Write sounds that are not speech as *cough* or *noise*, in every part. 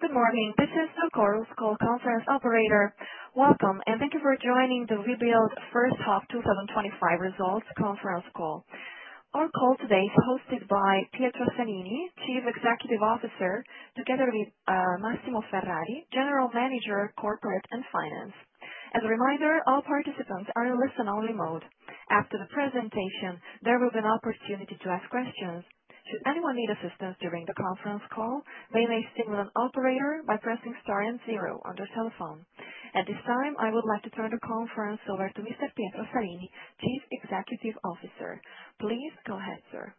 Good morning, this is Nicorus Call, Conference Operator. Welcome and thank you for joining the Webuild First Half 2025 Results Conference call. Our call today is hosted by Pietro Salini, Chief Executive Officer, together with Massimo Ferrari, General Manager, Corporate and Finance. As a reminder, all participants are in listen-only mode. After the presentation, there will be an opportunity to ask questions. Should anyone need assistance during the conference call, they may signal an operator by pressing star and zero on the telephone. At this time, I would like to turn the conference over to Mr. Pietro Salini, Chief Executive Officer. Please go ahead, sir.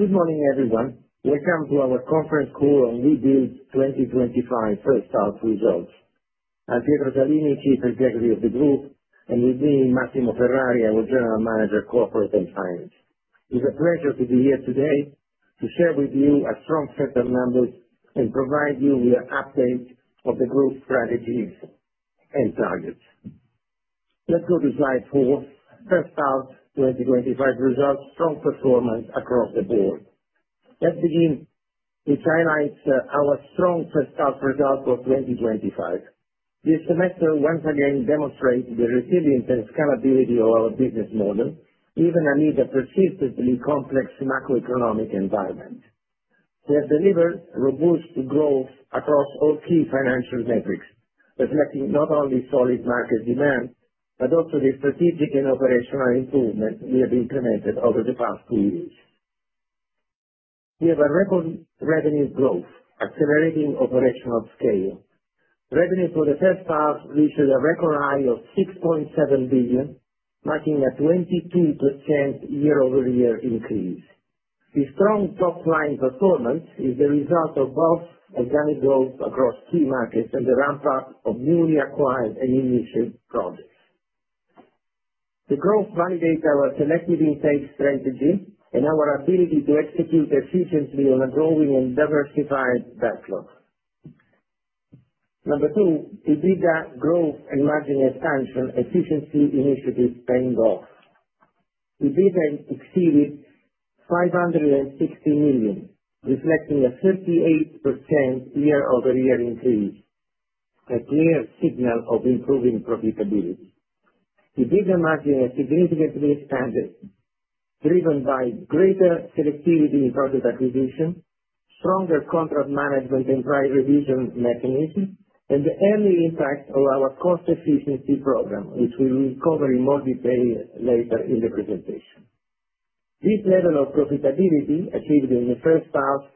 Good morning everyone. Welcome to our Conference Call in Webuild 2025 First Half Results. I'm Pietro Salini, Chief Executive of the group, and with me Massimo Ferrari, our General Manager, Corporate and Finance. It's a pleasure to be here today to share with you a strong set of numbers and provide you with an update of the group strategies and targets. Let's go to slide 4. First Half 2025 Results. Strong performance across the board. Let's begin with highlights. Our strong first half result for 2025 this semester once again demonstrates the resilience and scalability of our business model. Even amid a persistently complex macroeconomic environment, we have delivered robust growth across all key financial metrics, reflecting not only solid market demand but also the strategic and operational improvements we have implemented over the past two years. We have a record revenue growth accelerating operational scale. Revenue for the first half reached a record high of 6.7 billion, marking a 22% year-over-year increase. This strong top line performance is the result of both organic growth across key markets and the ramp up of newly acquired and initial projects. The growth validates our selective intake strategy and our ability to execute efficiently on a growing and diversified backlog. Number two, EBITDA Growth and Margin Expansion. Efficiency initiatives paying off. EBITDA exceeded 560 million, reflecting a 38% year over year. Increase, a clear signal of improving profitability. EBITDA margin has significantly expanded, driven by greater selectivity in project acquisition, stronger contract management and dry revision mechanism, and the early impact of our cost efficiency program, which we will cover in more detail later in the presentation. This level of profitability achieved in the first half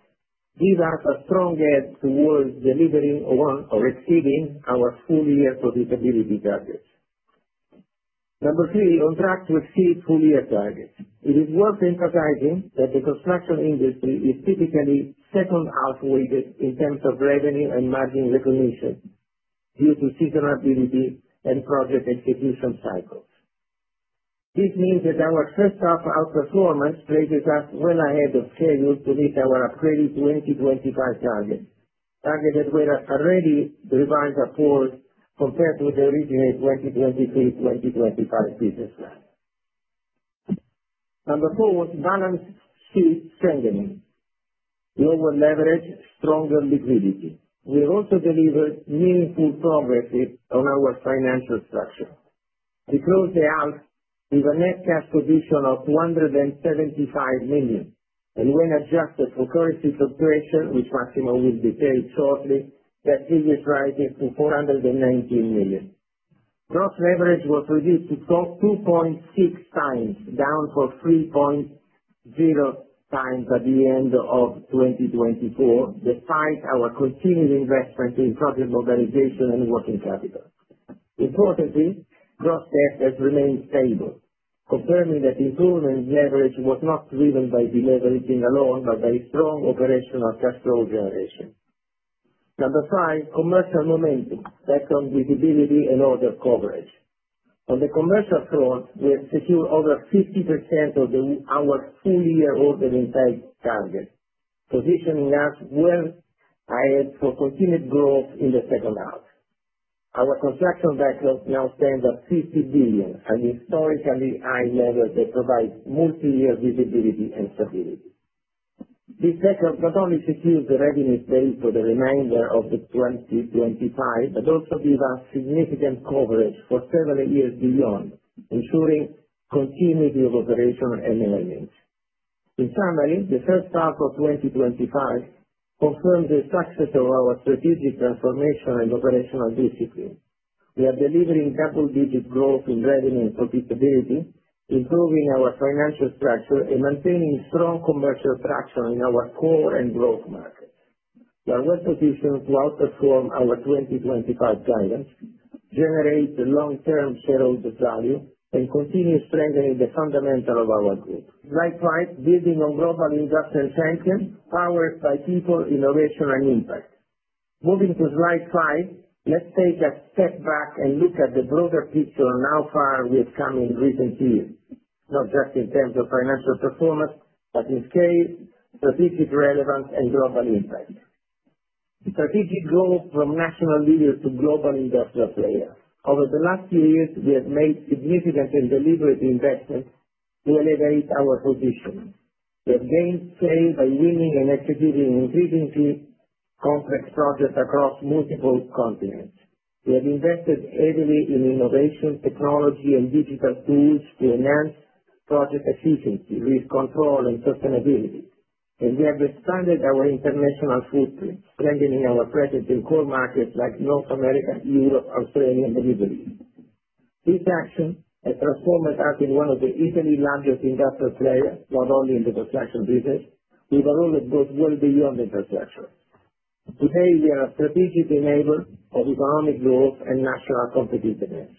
gives us a strong edge towards delivering on or exceeding our full year profitability targets. Number three, on track with C4 year targets. It is worth emphasizing that the construction industry is typically second half weighted in terms of revenue and margin recognition due to seasonal activity and project execution cycles. This means that our first half outperformance places us well ahead of schedule to meet our upgraded 2025 target that were already revised upwards compared to the original 2023-2025 business plan. Number four was balance sheet strengthening. We over leveraged stronger liquidity. We have also delivered meaningful progress on our financial structure. We closed the Alps with a net cash position of 175 million, and when adjusted for currency fluctuation, which Massimo will detail shortly, that figure rises to 419 million. Gross leverage was reduced to 2.6x, down from 3.0x at the end of 2024, despite our continued investment in project organization and working capital. Importantly, gross debt has remained stable, confirming that improved leverage was not driven by deleveraging alone but by strong operational cash flow generation. Number five, commercial momentum, second visibility and order coverage on the commercial. Front, we have secured over 50% of. Our full year order intake target, positioning us well for continued growth in the second half. Our construction vessels now stand at $50 billion and historically high levels that provide multi-year visibility and stability. This setup not only secures the readiness date for the remainder of 2025. Also give us significant coverage for. Several years beyond ensuring continuity of operational enhance. In summary, the first half of 2025 confirms the success of our strategic transformation and operational discipline. We are delivering double-digit growth in revenue and profitability, improving our financial structure, and maintaining strong commercial traction in our core and growth markets. We are well positioned to outperform our 2025 guidance, generate the long-term shareholder value, and continue strengthening the fundamentals of our goal. Slide 5, Building on global Investment Powered by People, Innovation and impact. Moving to slide 5, let's take a step back and look at the broader picture on how far we have come in recent years, not just in terms of financial performance, but in scale, strategic relevance, and global impact. Strategic Growth From National Leader to Global. Industrial player, over the last few years we have made significant and deliberate investments to elevate our position. We have gained scale by winning and executing increasingly complex projects across multiple continents. We have invested heavily in innovation, technology, and digital tools to enhance process efficiency. Risk control and sustainability. We have expanded our international footprint, strengthening our presence in core markets like North America, Europe, Australia, and the Middle East. This action has transformed us into one of Italy's largest industrial players, not only in the construction business with a. Role that goes well beyond infrastructure. Today we are a strategic enabler of economic growth and national competitiveness.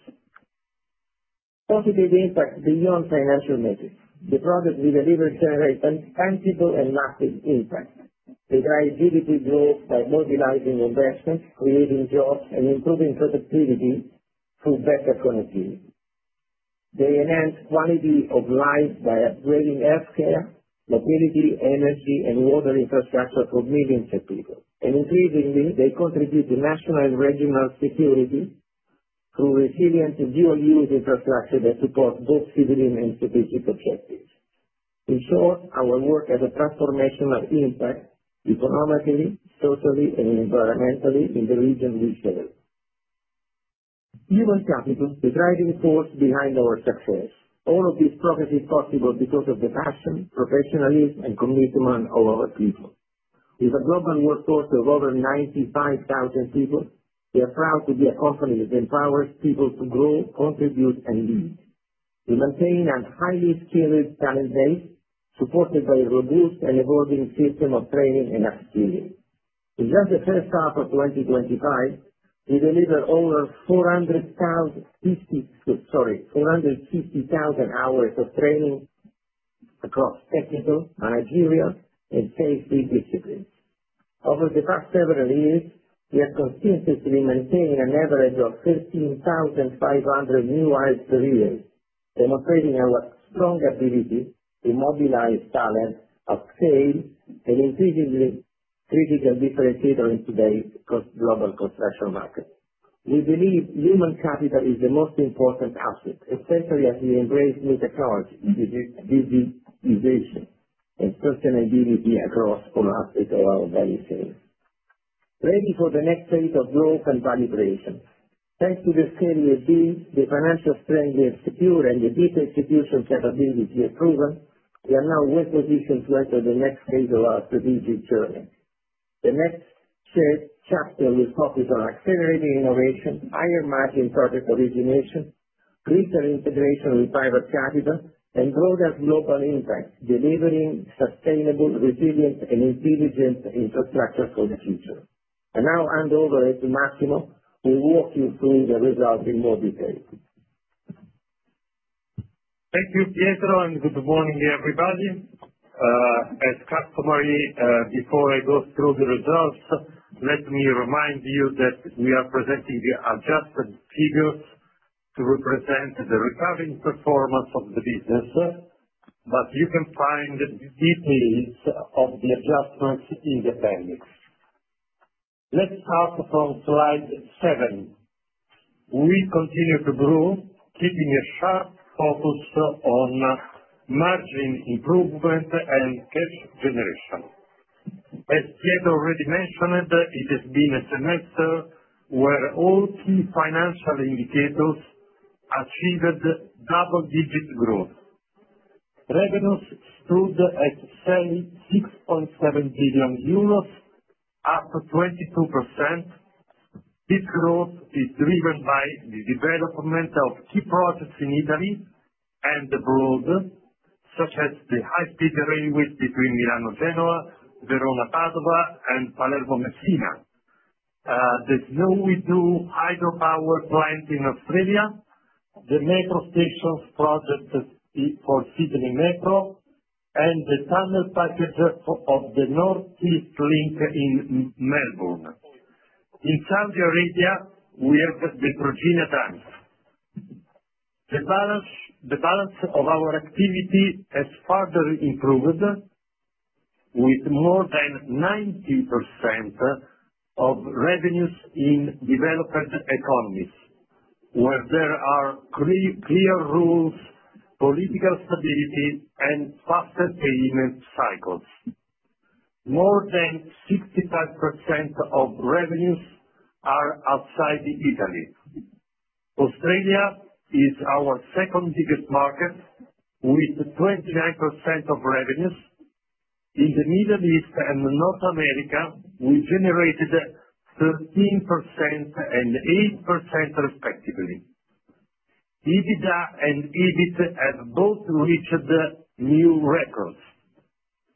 Positive impact beyond financial metrics, the projects we deliver generate a tangible and massive impact. They drive GDP growth by mobilizing investments, creating jobs, and improving productivity through better connectivity. They enhance quality of life by upgrading healthcare, mobility, energy, and water infrastructure for millions of people. Increasingly, they contribute to national and regional security through resilient and dual-use infrastructure that supports both civilian and strategic objectives. In short, our work has a transformational impact economically, socially, and environmentally in the region. We serve human capital, the driving force behind our success. All of this progress is possible because of the passion, professionalism, and commitment of our people. With a global workforce of over 95,000 people, we are proud to be a company that empowers people to grow, contribute, and lead. We maintain a highly skilled talent base supported by a robust and evolving system of training and upskilling. In just the first half of 2025, we delivered over 450,000 hours of training across technical, managerial, and safety disciplines. Over the past several years, we have consistently maintained an average of 13,500 new hires per year, demonstrating our strong ability to mobilize talent at scale, an increasingly critical differentiator. In today's global construction market, we believe human capital is the most important asset, especially as we embrace new technology and sustainability across all aspects of our value chains. Ready for the next phase of growth and validation. Thanks to the scale we have built, the financial strength we have secured, and the deep execution capabilities we have proven, we are now well positioned to enter the next phase of our strategic journey. The next chapter will focus on accelerating innovation, higher margin project origination, integration with private capital, and growing our global impact, delivering sustainable, resilient, and intelligent infrastructure for the future. I now hand over to Massimo who will walk you through the results in more detail. Thank you, Pietro, and good morning, everybody. As customary, before I go through the results, let me remind you that we are presenting the adjusted figures to represent the recurring performance of the business, but you can find details of the adjustments in the payments. Let's start from slide 7. We continue to grow, keeping a sharp focus on margin improvement and cash generation. As Thiego already mentioned, it has been a semester where all key financial indicators achieved double-digit growth. Revenues stood at 6.7 billion euros, up 22%. This growth is driven by the development of key projects in Italy and abroad, such as the high-speed railways between Milano, Genoa, Verona, Padova, and Palermo Messina, the Snowy 2.0 hydropower plant in Australia, the metro stations project for Sydney Metro, and the tunnel package of the Northeast Link in Melbourne. In Saudi Arabia, we have the Progena tanks. The balance of our activity has further improved with more than 90% of revenues in developed economies, where there are clear rules, political stability, and faster payment cycles. More than 65% of revenues are outside Italy. Australia is our second biggest market with 29% of revenues. In the Middle East and North America, we generated 13% and 8% respectively. EBITDA and EBIT have both reached new records.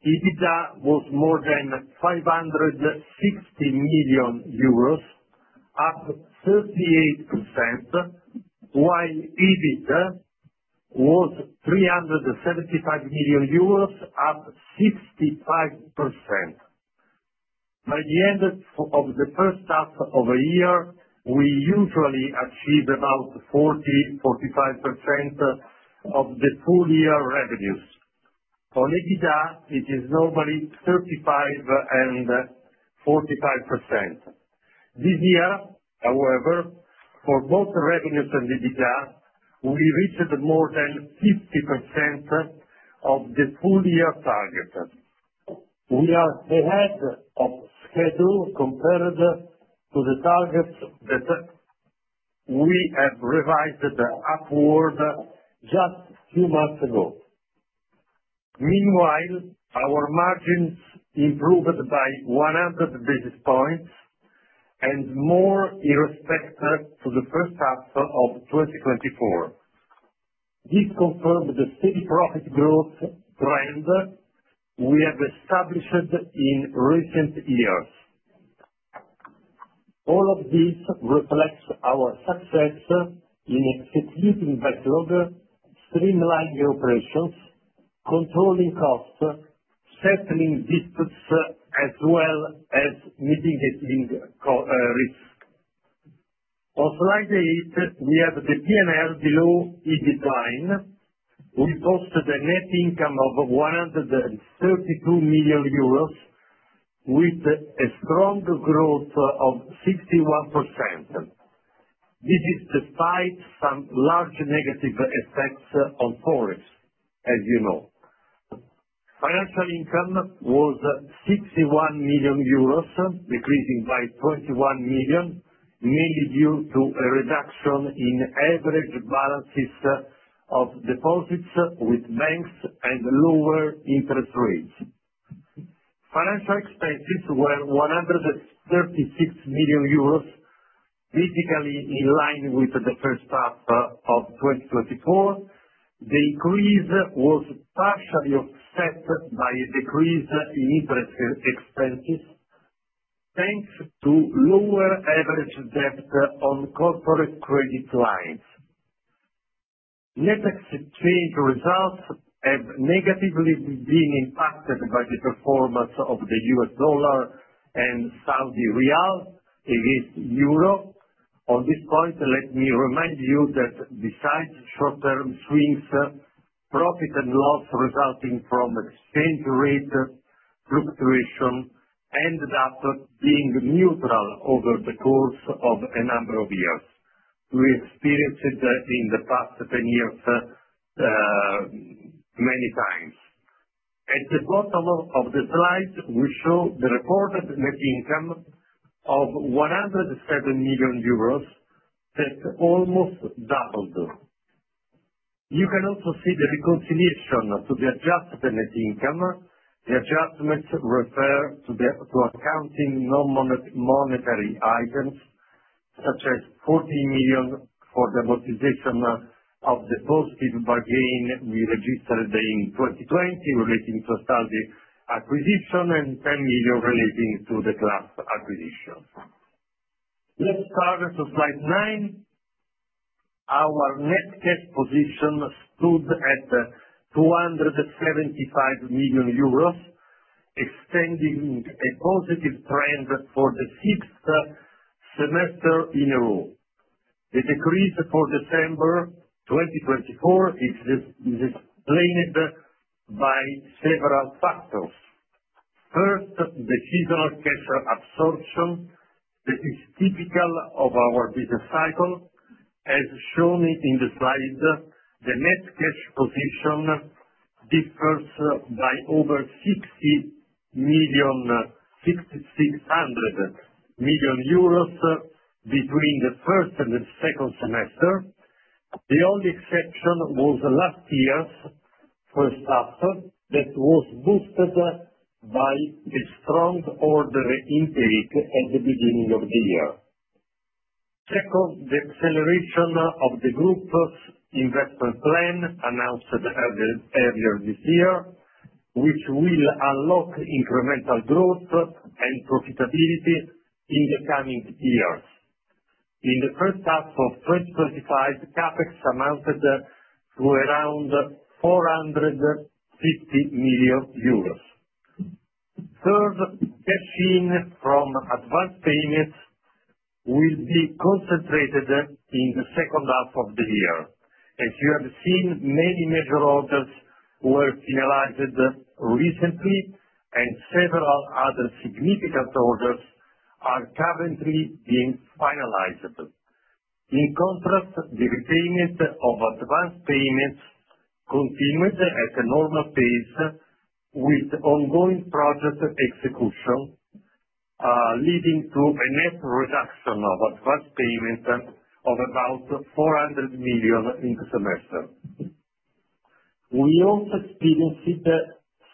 EBITDA was more than 560 million euros, up 38%, while EBIT was 375 million euros, up 65% by the end of the first half of the year. We usually achieve about 40-45% of the full-year revenues. On EBITDA, it is normally 35-45% this year. However, for both revenues and EBITDA, we reached more than 50% of the full-year target. We are ahead of schedule compared to the targets that we have revised upward. Just a few months ago. Meanwhile, our margins improved by 100 basis points and more irrespective to the first half of 2024. This confirmed the steady profit growth trend we have established in recent years. All of this reflects our success in executing backlog, streamlining operations, controlling costs, settling distance as well as mitigating risk. On slide 8 we have the P&L below EBITDA. We posted a net income of 132 million euros with a strong growth of 61%. This is despite some large negative effects on Forex. As you know, financial income was 61 million euros, decreasing by 21 million, mainly due to a reduction in average balances of deposits with banks and lower interest rates. Financial expenses were 136 million euros, basically in line with the first half of 2024. The increase was partially offset by a decrease in interest expenses thanks to lower average debt on corporate credit lines. Net exchange results have negatively been impacted. By the performance of the U.S. Dollar. Saudi Riyal against Europe. On this point, let me remind you that besides short-term swings, profit and loss resulting from exchange rate fluctuation ended up being neutral over the course of a number of years. We experienced it in the past ten years many times. At the bottom of the slide, we show the reported net income of 107 million euros that almost doubled. You can also see the reconciliation to the adjusted net income. The adjustments refer to accounting non-monetary items such as 14 million for the amortization of the positive bargain we registered in 2020 relating to a study acquisition and 10 million relating to the class acquisition. Slide 9. Our net cash position stood at 275 million euros, extending a positive trend for the sixth semester in a row. The decrease for December 2024 is explained by several factors. First, the seasonal cash absorption. This is typical of our business cycle. As shown in the slide, the net cash position differs by over 600 million euros between the first and the second semester. The only exception was last year's first half that was boosted by a strong order intake at the beginning of the year. Second, the acceleration of the group investment plan announced earlier this year, which will unlock incremental growth and profitability in the coming years. In the first half of 2025, CapEx amounted to around 450 million euros. Third, cash-in from advanced payments will be concentrated in the second half of the year. As you have seen, many major orders were finalized recently and several other significant orders are currently being finalized. In contrast, the repayment of advanced payments continued at a normal pace with ongoing project execution, leading to a net reduction of advanced payments of about 400 million in the semester. We also experienced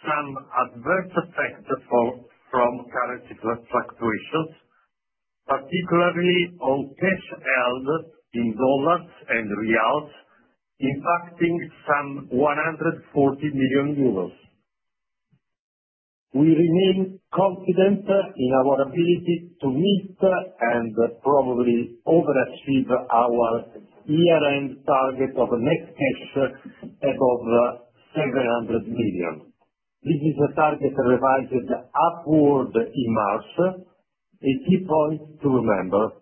some adverse effects from currency fluctuations, particularly on cash held in dollars and reals, impacting some 140 million euros. We remain confident in our ability to meet and probably overachieve our year-end target of net cash above 700 million. This is a target revised upward in March. A key point to remember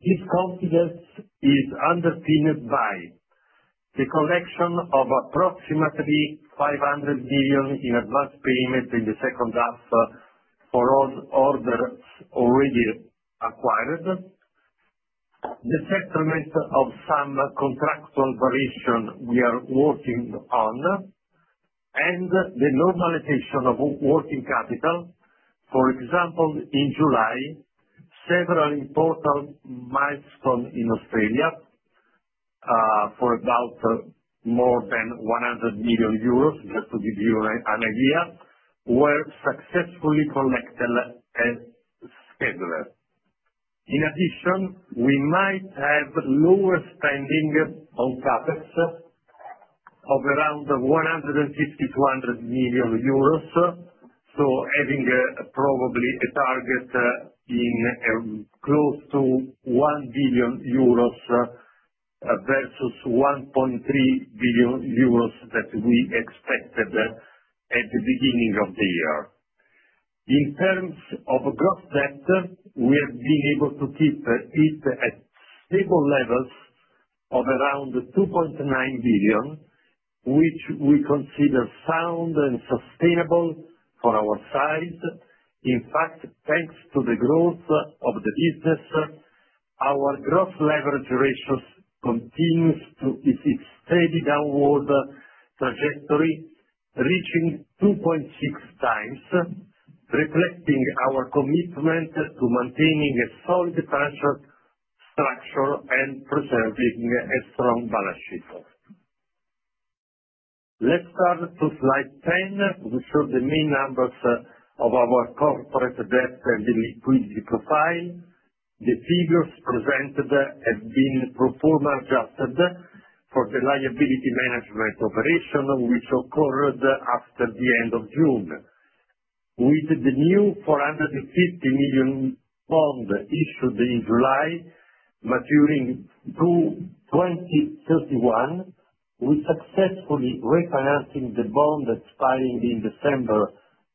is this confidence is underpinned by the collection of approximately 500 million in advance payment in the second half for all orders already acquired, the settlement of some contractual variation we are working on, and the normalization of working capital. For example, in July, several important milestones in Australia for about more than 100 million euros, just to give you an idea, were successfully collected as scheduled. In addition, we might have lower spending on topics of around 152 million euros. Having probably a target being close to 1 billion euros versus 1.3 billion euros that we expected at the beginning of the year, in terms of gross debt, we have been able to keep it at stable levels of around 2.9 billion, which we consider sound and sustainable for our size. In fact, thanks to the growth of the business, our gross leverage ratios continue a steady downward trajectory, reaching 2.6 times, reflecting our commitment to maintaining a solid structure and preserving a strong balance sheet. Let's turn to slide 10, which shows the main numbers of our corporate debt and liquidity profile. The figures presented have been pro forma adjusted for the liability management operation which occurred after the end of June. With the new EUR 450 million bond issued in July maturing in 2031, we successfully refinanced the bond expiring in December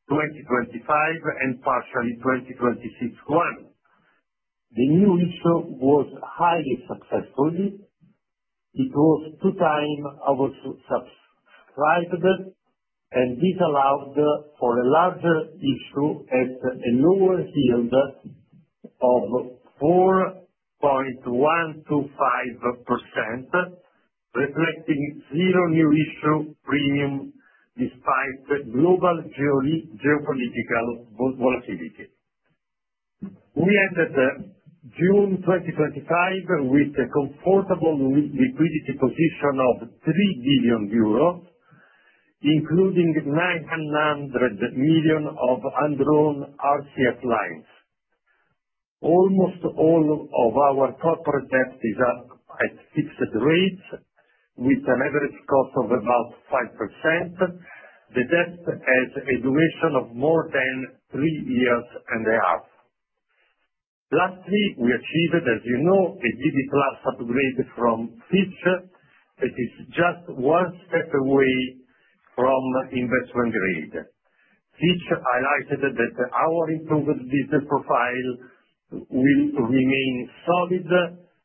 2025 and partially 2026. The new issue was highly successful. It was two times oversubscribed and this allowed for a larger issue at a lower yield of 4.125%, reflecting zero new issue premium. Despite global geopolitical volatility, we ended June 2025 with a comfortable liquidity position of 3 billion euro, including 900 million of undrawn RCF lines. Almost all of our corporate debt is at fixed rates with an average cost of about 5%. The debt has a duration of more than three and a half years. Lastly, we achieved, as you know, a GD upgrade from Fitch that is just one step away from investment grade. Fitch highlighted that our improved business profile will remain solid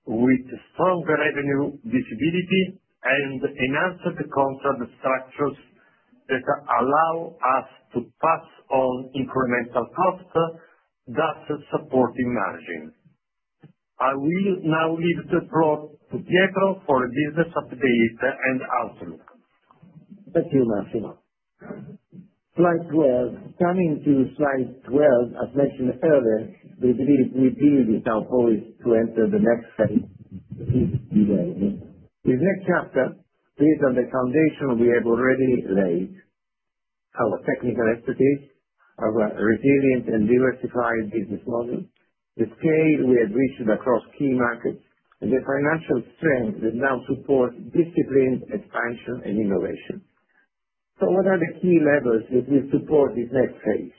with stronger revenue visibility and enhanced contract structures that allow us to pass on incremental costs, thus supporting margin. I will now leave the floor to Pietro for a business update and outlook. Thank you, Massimo. Slide 12. Coming to Slide 12, as mentioned earlier, we believe in our poise to enter the next phase. This next chapter is based on the foundation we have already laid, our technical expertise, our resilient and diversified business model, the scale we have reached across key markets, and the financial strength that now supports disciplined expansion and innovation. What are the key levers that will support this next phase?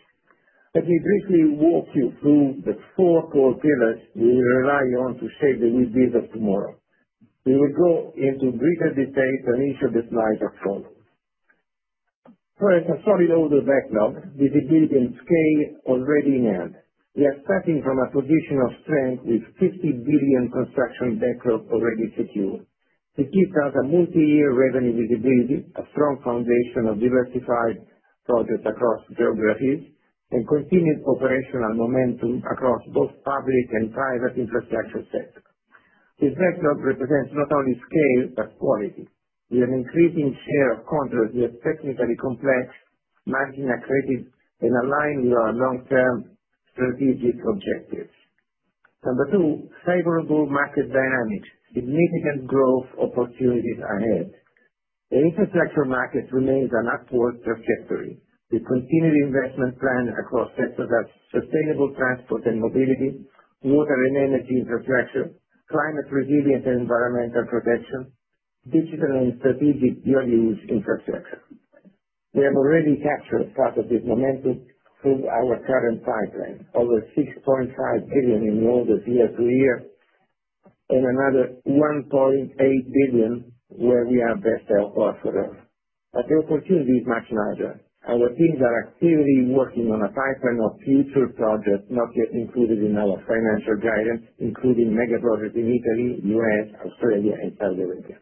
Let me briefly walk you through the four core pillars we will rely on. To shape the good deals of tomorrow. We will go into greater detail in each of the slides as follows. First, a solid order backlog, visibility, and scale already in hand. We are starting from a position of strength with 50 billion construction backlogs already secured. It gives us multiyear revenue visibility, a strong foundation of diversified projects across geographies, and continued operational momentum across both public and private infrastructure sectors. This backdrop represents not only scale but quality, with an increasing share of contracts yet technically complex, margin accretive, and aligned with our long-term strategic objectives. Number 2, favorable market dynamics, significant growth opportunities ahead. The infrastructure market remains on an upward trajectory with continued investment plans across sectors such as sustainable transport and mobility, water and energy infrastructure, climate resilient and environmental protection, digital and strategic value infrastructure. We have already captured part of this momentum through our current pipeline, over 6.5 billion in order year to year, and another 1.8 billion where we are bestselled corporate. The opportunity is much larger. Our teams are actively working on a pipeline of future projects not yet included in our financial guidance, including mega projects in Italy, U.S., Australia, and Saudi Arabia.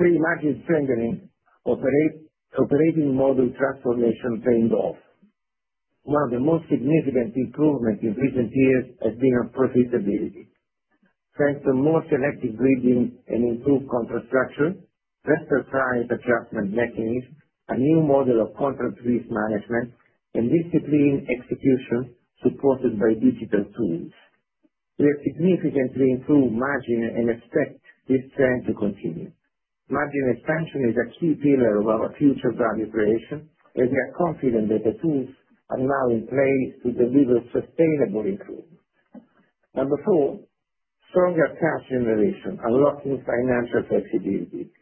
Pre-market strengthening operating model transformation paid off. One of the most significant improvements in recent years has been profitability, thanks to more selective gridding and improved contract structure, vester price adjustment mechanism, a new model of contract risk management, and disciplined execution supported by digital tools. We have significantly improved margin and expect this trend to continue. Margin expansion is a key pillar of our future value creation as we are confident that the tools are now in place to deliver sustainable improvement. Number 4, stronger cash generation, unlocking financial flexibility.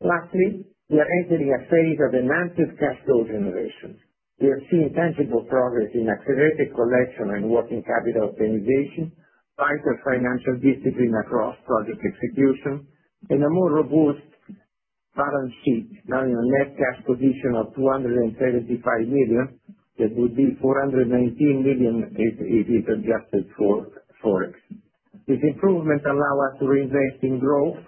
Lastly, we are entering a phase of enhanced cash flow generation. We have seen tangible progress in accelerated collection and working capital penetration, tighter financial discipline across project execution, and a more robust balance sheet now in a net cash position of 275 million. That would be 419 million if it's adjusted for forex. These improvements allow us to reinvest in growth,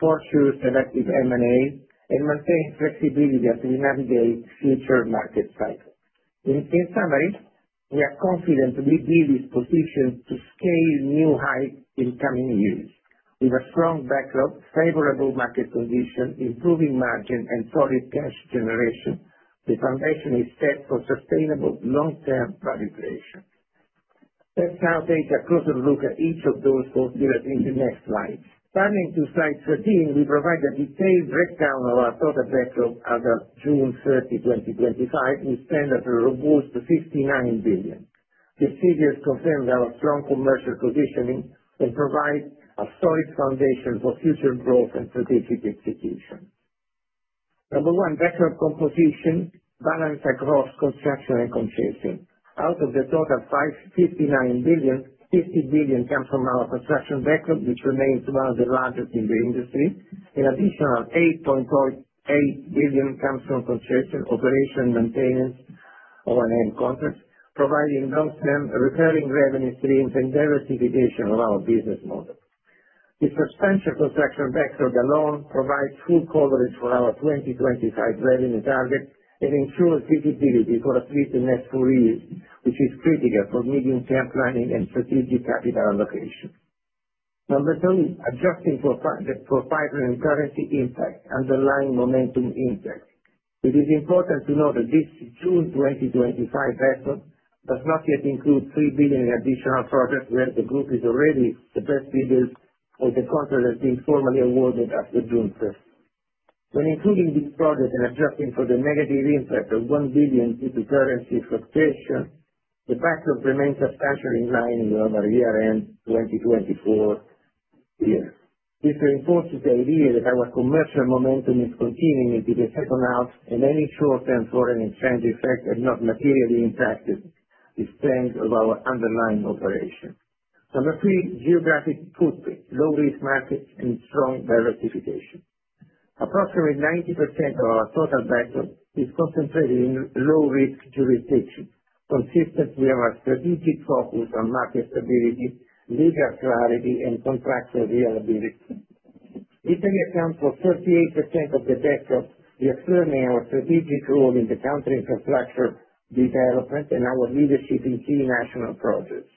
pursue selected M&A activity, and maintain flexibility as we navigate future market cycles. In summary, we are confident we believe is positioned to scale new hike in coming years. With a strong backlog, favorable market condition, improving margin and solid cash generation, the foundation is set for sustainable long term value creation. Let's now take a closer look at each of those goals given the next slide. Turning to slide 13, we provide a detailed breakdown of our total backlog as of June 30, 2025, with standards of robust $59 billion. These figures confirm our strong commercial positioning and provide a solid foundation for future growth and strategic execution. Number one, record composition balance across construction and construction out of the total $59 billion, $50 billion comes from our construction backlog, which remains one of the largest in the industry. An additional $8.8 billion comes from construction, operation and maintenance of an end contract, providing long term recurring revenue streams and diversification of our business model. The substantial construction backlog alone provides full coverage for our 2025 revenue target and ensures feasibility for at least the next four years, which is critical for medium term planning and strategic capital allocation. Number three, adjusting for price and currency impact, underlying momentum impact, it is important to note that this June 2025 vessel does not yet include $3 billion in additional projects where the group is already the best bidders with the contract that's being formally awarded after June 1. When including this project and adjusting for the negative impact of $1 billion currency fluctuation, the factors remained substantially in line in the over year end 2024 years. This reinforces the idea that our commercial momentum is continuing into the second half and any short term foreign exchange effect has not materially impacted the strength of our underlying operation. Number three, geographic footprint, low risk markets and strong diversification. Approximately 90% of our total banking is concentrated in low risk jurisdiction. Consistent with our strategic focus on market stability, legal clarity and contractual reliability, Italy accounts for 38% of the decrepit role in the counter infrastructure development and our leadership in key national projects.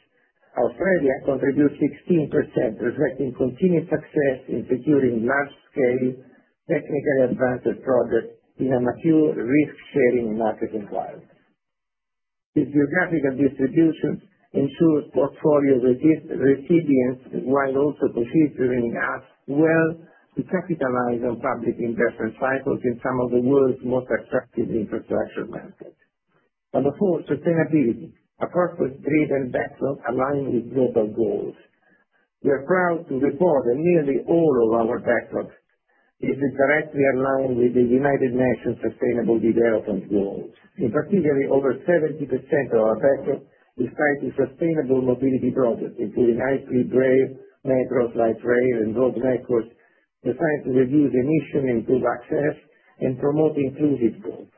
Australia contributes 16%, reflecting continued success in securing large scale scaling technically advanced projects in a mature risk sharing market. Inquiries the geographical distribution ensures portfolio resilience while also considering us well to capitalize on public investment cycles in some of the world's most attractive infrastructure markets. Number four, Sustainability. A corporate driven backlog aligned with global goals, we are proud to report that nearly all of our backlog is directly aligned with the United Nations Sustainable Development Goals. In particular, over 70% of our backlog is tied to sustainable mobility projects including high street, grave macros, light rail, and road records designed to reduce emission, improve access, and promote inclusive growth.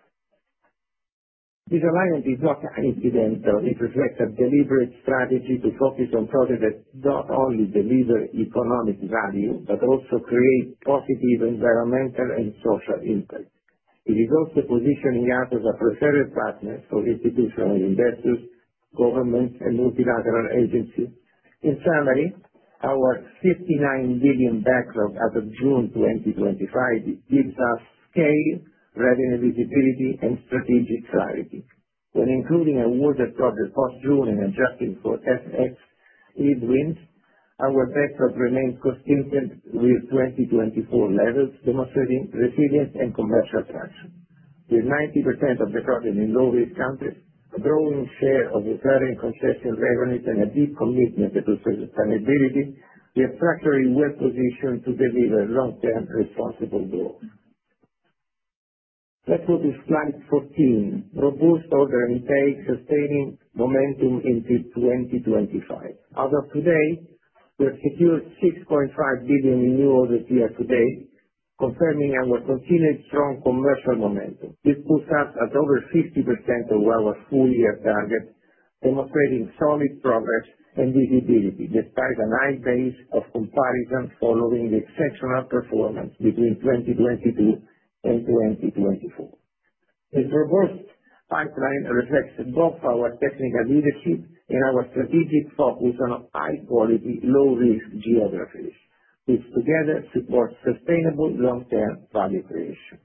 This alliance is not incidental. It reflects a deliberate strategy to focus on projects that not only deliver economic value but also create positive environmental and social impact. It is also positioning us as a preferred partner for institutional investors, governments, and multilateral agencies. In summary, our $59 billion backlog as of June 2025 gives us scale, revenue, visibility, and strategic clarity when including awards that project post June and adjusting for. FX. Our backdrop remains consistent with 2024 levels, demonstrating resilience and commercial traction. With 90% of the project in low-risk countries, a growing share of recurring concession revenues, and a deep commitment to sustainability, we are well positioned to deliver long-term responsible growth. Let's go to slide 14. Robust order intake sustaining momentum into 2025. As of today, we secured 6.5 billion renewal this year to date, confirming our continued strong commercial momentum. This puts us at over 50% of. Our full year target, demonstrating solid progress and visibility despite a nice base of comparison following the exceptional performance between 2022 and 2024. This robust pipeline reflects both our technical leadership and our strategic focus on high quality, low risk geographies, which together support sustainable long term value creation.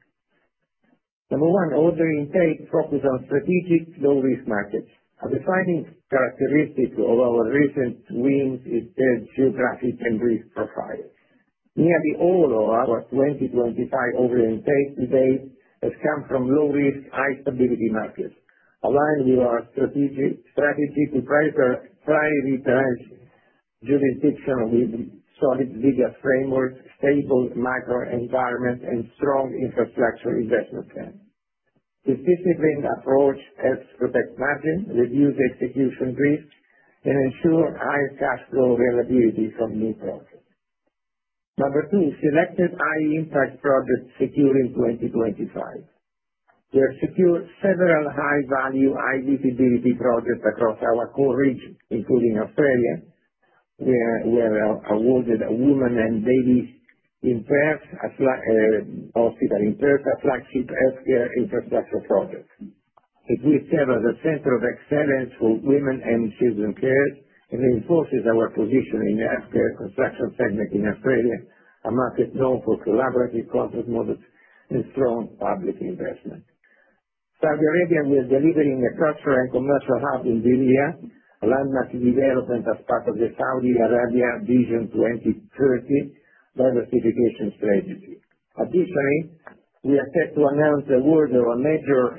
Number one, order intake focuses on strategic, low risk markets. A defining characteristic of our recent wins is their geographic and risk profiles. Nearly all of our 2025 order intake to date has come from low risk, high stability markets aligned with our strategy to prioritize jurisdictionally solid visa framework, stable macro environment, and strong infrastructure investment plan. This disciplined approach helps protect margin, reduce execution risk, and ensure high cash flow availability from these sectors. Number two, selected high impact projects secured in 2025. We have secured several high value IVC DBT projects across our core region, including Australia. We are awarded a Women and Babies in Perth Hospital in Perth, a flagship healthcare infrastructure project which will serve as a center of excellence for women and children, cares and reinforces our position in the healthcare construction segment in Australia, a market known for collaborative and strong public investment. Saudi Arabia will deliver a cultural and commercial hub in Villa Landmass development as part of the Saudi Arabia Vision 2030 diversification strategy. Additionally, we expect to announce the award of a major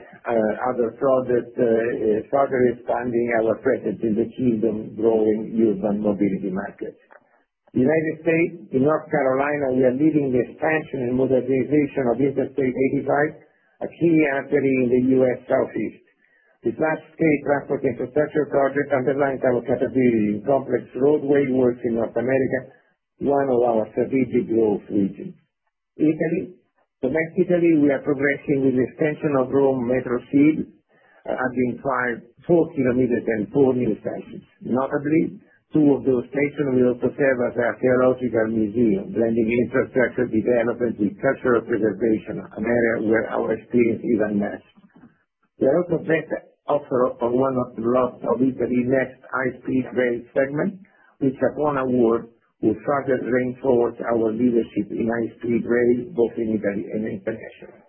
other project, further expanding our presence in the key and growing urban mobility market. The United States, in North Carolina, we are leading the expansion and modernization of Interstate 85, a key asset in the U.S. Southeast. This large scale traffic infrastructure project underlines our capability in complex roadway works in North America, one of our strategic growth regions. Italy, domestic Italy, we are progressing with the extension of Rome Metro C, at the entire 4 km and four new stations. Notably, two of those stations will also serve as a theological museum, blending infrastructure development and cultural preservation, an area where our experience is unmatched. We are also placed on one of the blocks of Italy's next high speed rail segment, which at one award will further reinforce our leadership in high speed rail both in Italy and international.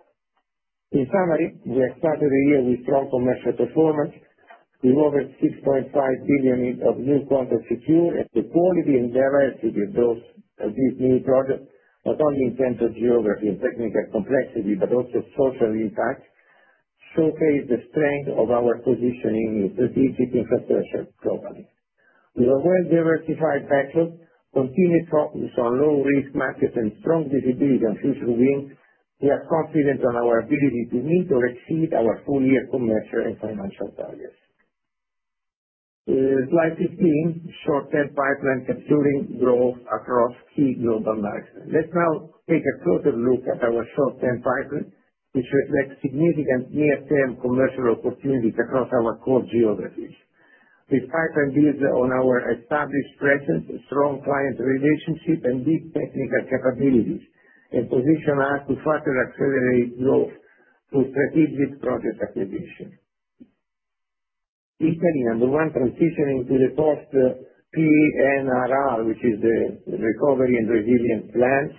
In summary, we started the year with strong commercial performance with over 6.5 billion of new quantum secured, and the quality endeavor to develop these new projects not only in terms of geography and technical complexity but also social impact showcases the strength of our positioning in strategic infrastructure programming. With a well-diversified venture, continued focus on low-risk markets, and strong visibility on future wins, we are confident in our ability to meet or exceed our full-year commercial and financial targets. Slide 15 Short term pipeline Capturing growth across key global markets. Let's now take a closer look at our short-term pipeline, which reflects significant near-term commercial opportunities across our core geographies. This pipeline builds on our established presence, strong client relationships, and deep technical capabilities, and positions us to further accelerate growth through strategic project acquisition. Italy I'm the one transitioning to the post-PNRR, which is the recovery and resilience plans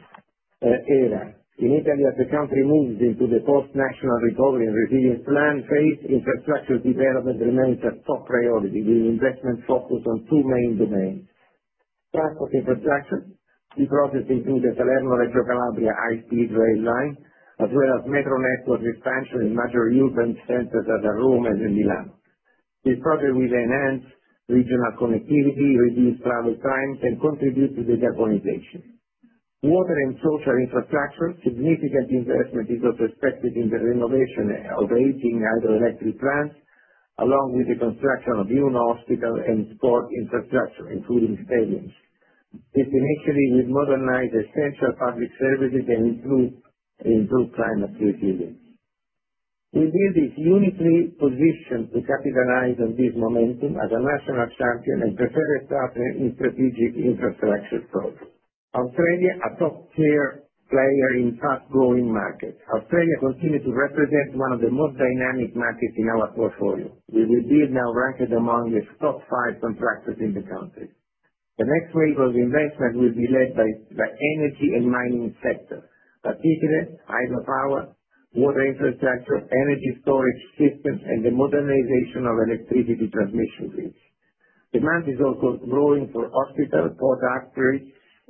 era in Italy. As the country moves into the post-National Recovery and Resilience Plan phase, infrastructure development remains a top priority, with investment focused on two main domains: transport infrastructure processes include the Salerno-Reggio Calabria high-speed rail line as well as metro network expansion in major urban centers at Rome and Milano. This project will enhance regional connectivity, reduce travel times, and contribute to the galvanization, water, and social infrastructure. Significant investment is expected in the renovation of aging hydroelectric plants along with the construction of new hospital and sport infrastructure, including stadiums. This initiative will modernize essential public services and improve climate resilience. Webuild is uniquely positioned to capitalize on this momentum as a national champion and preferred partner in strategic infrastructure processes. Australia A top-tier player in fast-growing markets, Australia continues to represent one of the most dynamic markets in our portfolio. Webuild is now ranked among its top five contractors in the country. The next wave of investment will be led by the energy and mining sector, particularly hydropower, water infrastructure, energy storage systems, and the modernization of electricity transmission grids. Demand is also growing for hospital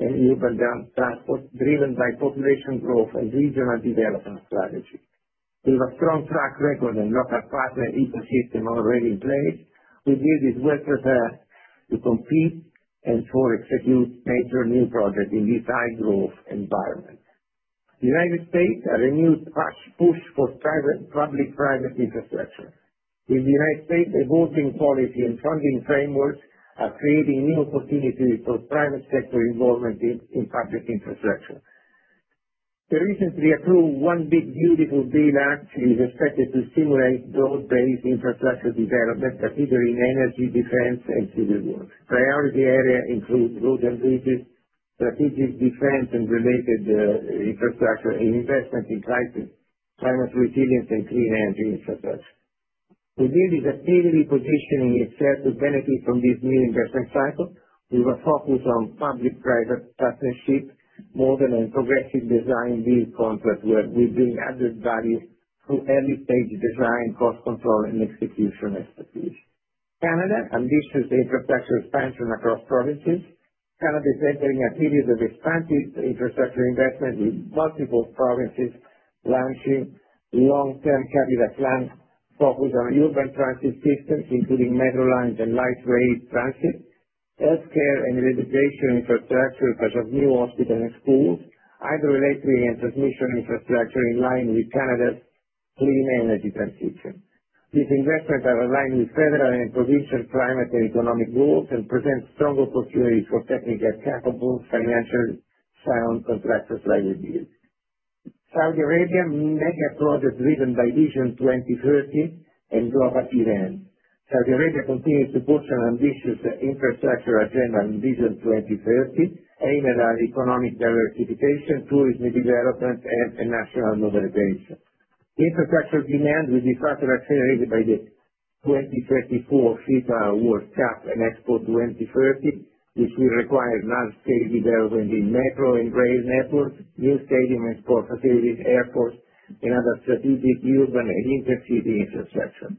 and urban dam growth and regional development strategy. With a strong track record and local partner ecosystem already in place, Webuild is well prepared to compete and execute major new projects in this high growth environment. The United States, a renewed push for private public private infrastructure in the United States, the voting policy and funding framework are creating new opportunities for private sector involvement in public infrastructure. The recently approved One Big Beautiful deal. it is expected to stimulate growth based on infrastructure development considering energy, defense, and civil work. Priority areas include roads and bridges, strategic defense and related infrastructure, and investment in climate, resilience, and clean energy, etc. Webuild is steadily positioning itself to benefit from this new investment cycle with a focus on public-private partnership models and progressive design-build contracts where we bring added value to early stage design, cost control, and execution expertise. Canada Ambitious Infrastructure Expansion across Provinces: Canada is entering a period of expansive infrastructure investment with multiple provinces launching long-term capital plans focused on urban transit systems including metro lines and light rail transit, health care and rehabilitation infrastructure such as new hospitals and schools, hydroelectric and transmission infrastructure. In line with Canada's clean energy transition, these investments are aligned with federal and provincial climate and economic goals and present strong opportunities for technically acceptable financial science and practice liabilities. Saudi Arabia Mega Project driven by Vision 2030 and global events: Saudi Arabia continues to push an ambitious infrastructure agenda in Vision 2030 aimed at economic diversification, tourism development, and national modernization. Infrastructure demand will be further accelerated by the 2034 FIFA World Cup and Expo 2030, which will require large-scale development in metro and rail networks, new stadium and export facilities, airports, and other strategic yields and intercity infrastructure.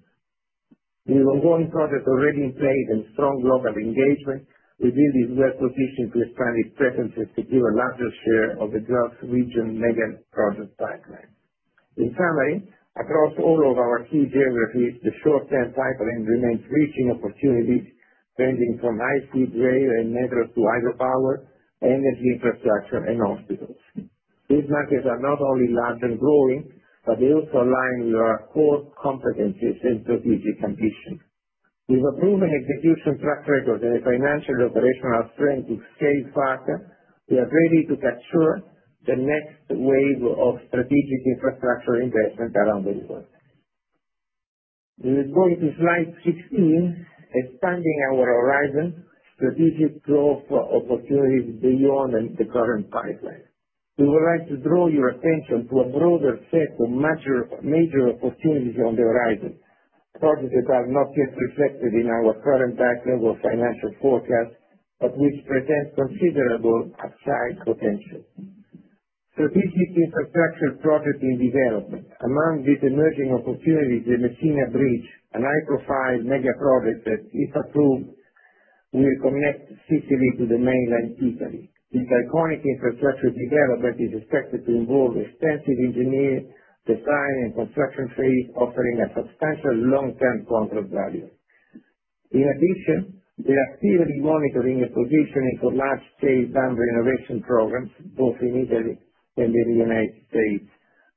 With ongoing projects already in place and strong local engagement, we believe Webuild is well positioned to expand its presence and secure a larger share of the gross region Mega Project pipeline. In summary, across all of our key geographies, the short-term pipeline remains rich in opportunities ranging from high-speed rail and metro to hydropower energy infrastructure and hospitals. These markets are not only large and growing, but they also align with our core competencies in strategic ambition. With a proven execution track record and a financial operational strength to scale further, we are ready to capture the next wave of strategic infrastructure investment around the river. We will go to slide 16, expanding our horizon: Strategic Growth Opportunities beyond the Current Pipeline. We would like to draw your attention to a broader set of major opportunities on the horizon, projects that are not yet reflected in our current backlog or financial forecast, but which present considerable upside. Potential Strategic Infrastructure Project in Development: Among these emerging opportunities, the Messina Bridge, a high-profile mega project that, if approved, will connect Sicily to the mainland Italy. This iconic infrastructure development is expected to involve extensive engineering design and construction phases, offering a substantial long-term contract value. In addition, we are still monitoring and positioning for large-scale dam renovation programs. Both in Italy and in the U.S.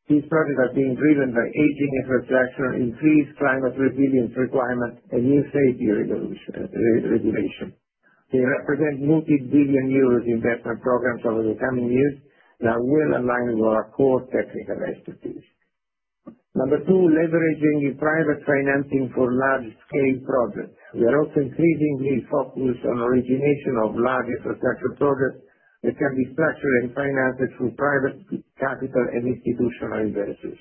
These projects are being driven by aging infrastructure, increased climate resilience requirements, and new safety regulations. They represent multibillion euro investment programs over the coming years that will align with our core technical expertise. Number two, leveraging private financing for large-scale projects, we are also increasingly focused on origination of large infrastructure projects that can be structured and financed through private capital and institutional investors.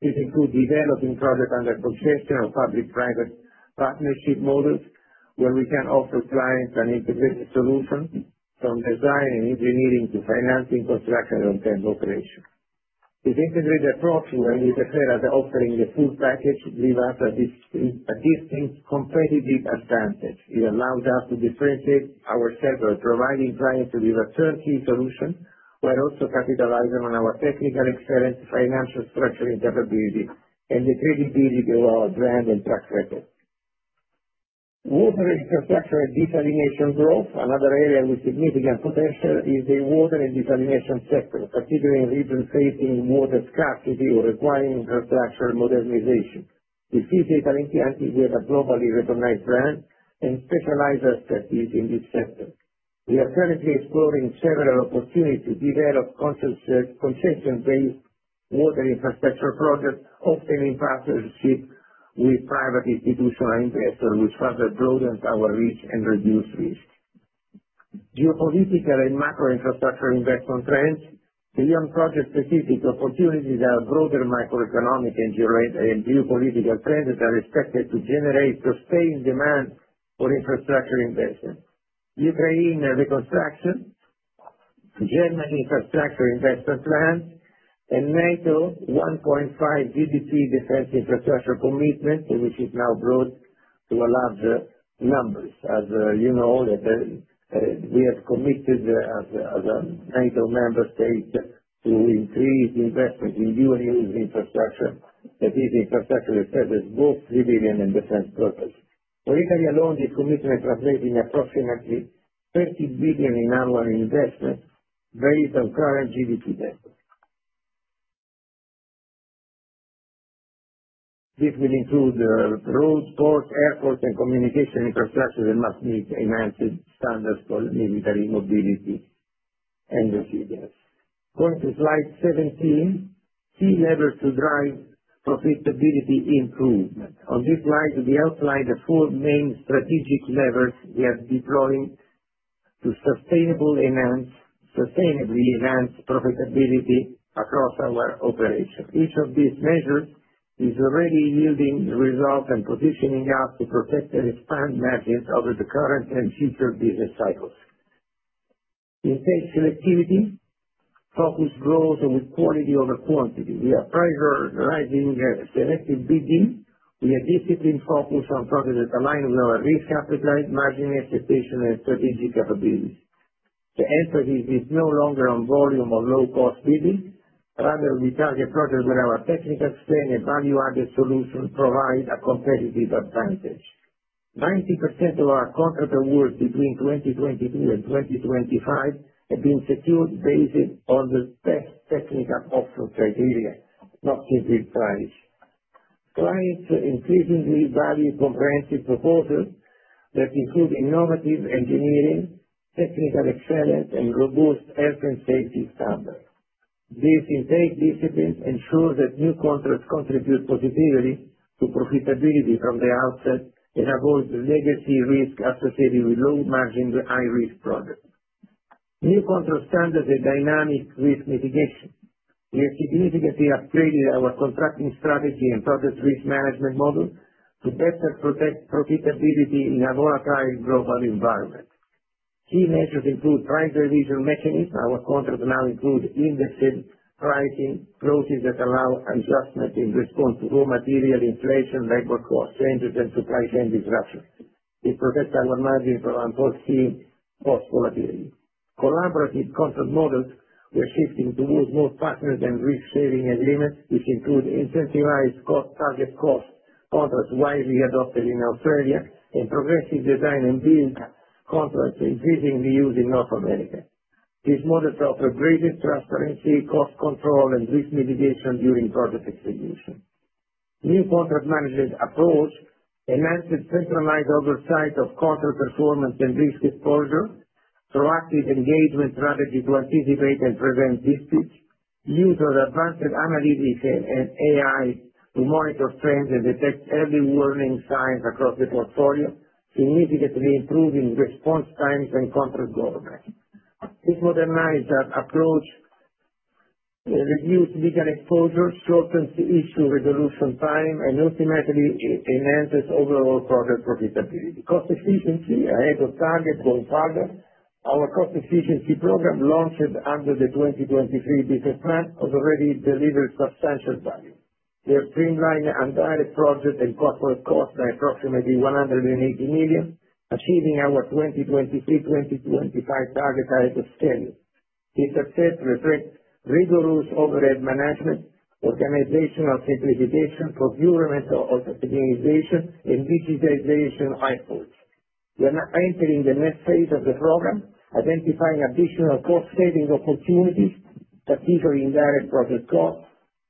This includes developing projects under possession of public-private partnership models where we can offer clients an integrated solution from design and engineering to financing, construction, and term operations. This integrated approach, when we declare that offering the full package, gives us a distinct competitive advantage. It allows us to differentiate ourselves, providing clients with a turnkey solution while also capitalizing on our technical excellence, financial structuring capability, and the credibility of our brand and track record. Water Infrastructure and Desalination Growth: Another area with significant potential is the water and desalination sector. Considering regions facing water scarcity or requiring infrastructure modernization, we see the Valencian is a globally recognized brand and specialized expertise in this sector. We are currently exploring several opportunities to develop concession-based water infrastructure projects, often in partnership with private institutional investors, which further broadens our reach and reduces risk. Geopolitical and Macro Infrastructure Investment Trends: Beyond project-specific opportunities are broader macroeconomic and geopolitical trends that are expected to generate sustained demand for infrastructure investment. Ukraine reconstruction, German infrastructure investment plans, and NATO 1.5% GDP defense infrastructure commitment, which is now brought to a larger number. As you know, we have committed as a NATO member state to increase investment in unused infrastructure that is infrastructure, service, both civilian and defense purpose. For Italy alone, this commitment translates in approximately 30 billion in annual investment based on current GDP network. This will include road, ports, airport, and. Communication infrastructure that must meet enhanced standards for military mobility and refugees. Going to slide 17, key levers to drive profitability improvement. On this slide, we outline the four main strategic levers we are deploying to sustainably enhance profitability across our operation. Each of these measures is already yielding results and positioning us to protect and expand margins over the current and future. Business cycles in safe selectivity. Focus grows. On equality over quantity. We are prioritizing selective bidding with a disciplined focus on projects that align with our risk appetite, margin expectation, and strategic capabilities. The answer is no longer on volume. Or low-cost divi. Rather, we target projects where our technical strength and value added solutions provide a competitive advantage. 90% of our contract awards between 2023 and 2025 have been secured based on the best technical option criteria. Clients increasingly value comprehensive proposals that include innovative engineering, technical excellence, and robust health and safety standards. These intake disciplines ensure that new contracts contribute positively to profitability from the outset and avoid legacy risk associated with low margin, high risk projects. New Control Standards and Dynamic Risk Mitigation: we have significantly upgraded our contracting strategy and project risk management model to better protect profitability in a lower current global environment. Key measures include price revision mechanisms. Our contracts now include indexed pricing processes that allow adjustment in response to raw material inflation, labor cost changes, and supply chain disruption. It protects our margin from unforeseen cost volatility. Collaborative Contract Models: we are shifting towards more partnered and risk sharing agreements, which include incentivized target cost contracts widely adopted in Australia and progressive design and build contracts increasingly used in North America. These models offer greater transparency, cost control, and risk mitigation during project execution. A new contract management approach enhances centralized oversight of cost performance and risk exposure, with a proactive engagement strategy to anticipate and prevent disputes. Use of advanced analytics and AI to monitor trends and detect early warning signs across the portfolio significantly improves response times and control. This modernized approach reduces legal exposure, shortens the issue resolution time, and ultimately enhances overall progress for visibility. Cost Efficiency Ahead of Target: going further, our cost efficiency program launched under the 2023 business plan has already delivered substantial value. We have streamlined indirect cost by approximately 180 million, achieving our 2023-2025 target highest of scale. This success reflects rigorous overhead management, organizational simplification, procurement organization, and digitization efforts. We are now entering the next phase of the program, identifying additional cost saving opportunities, particularly indirect project costs,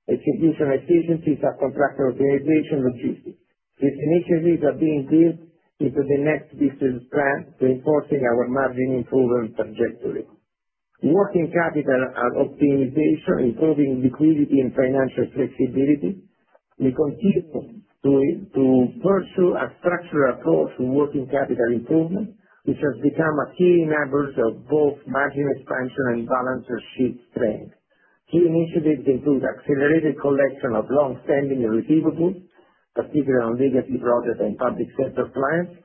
execution efficiencies, and contractor optimization. Logistics definitions are being built into the next business plan, reinforcing our margin improvement trajectory. Working capital optimization, improving liquidity and financial flexibility, the continuance to pursue a structured approach to working capital improvement, which has become a key enabler of both margin expansion and balance sheet strength. Key initiatives include accelerated collection of long-standing receivables, particularly on legacy projects and public sector clients.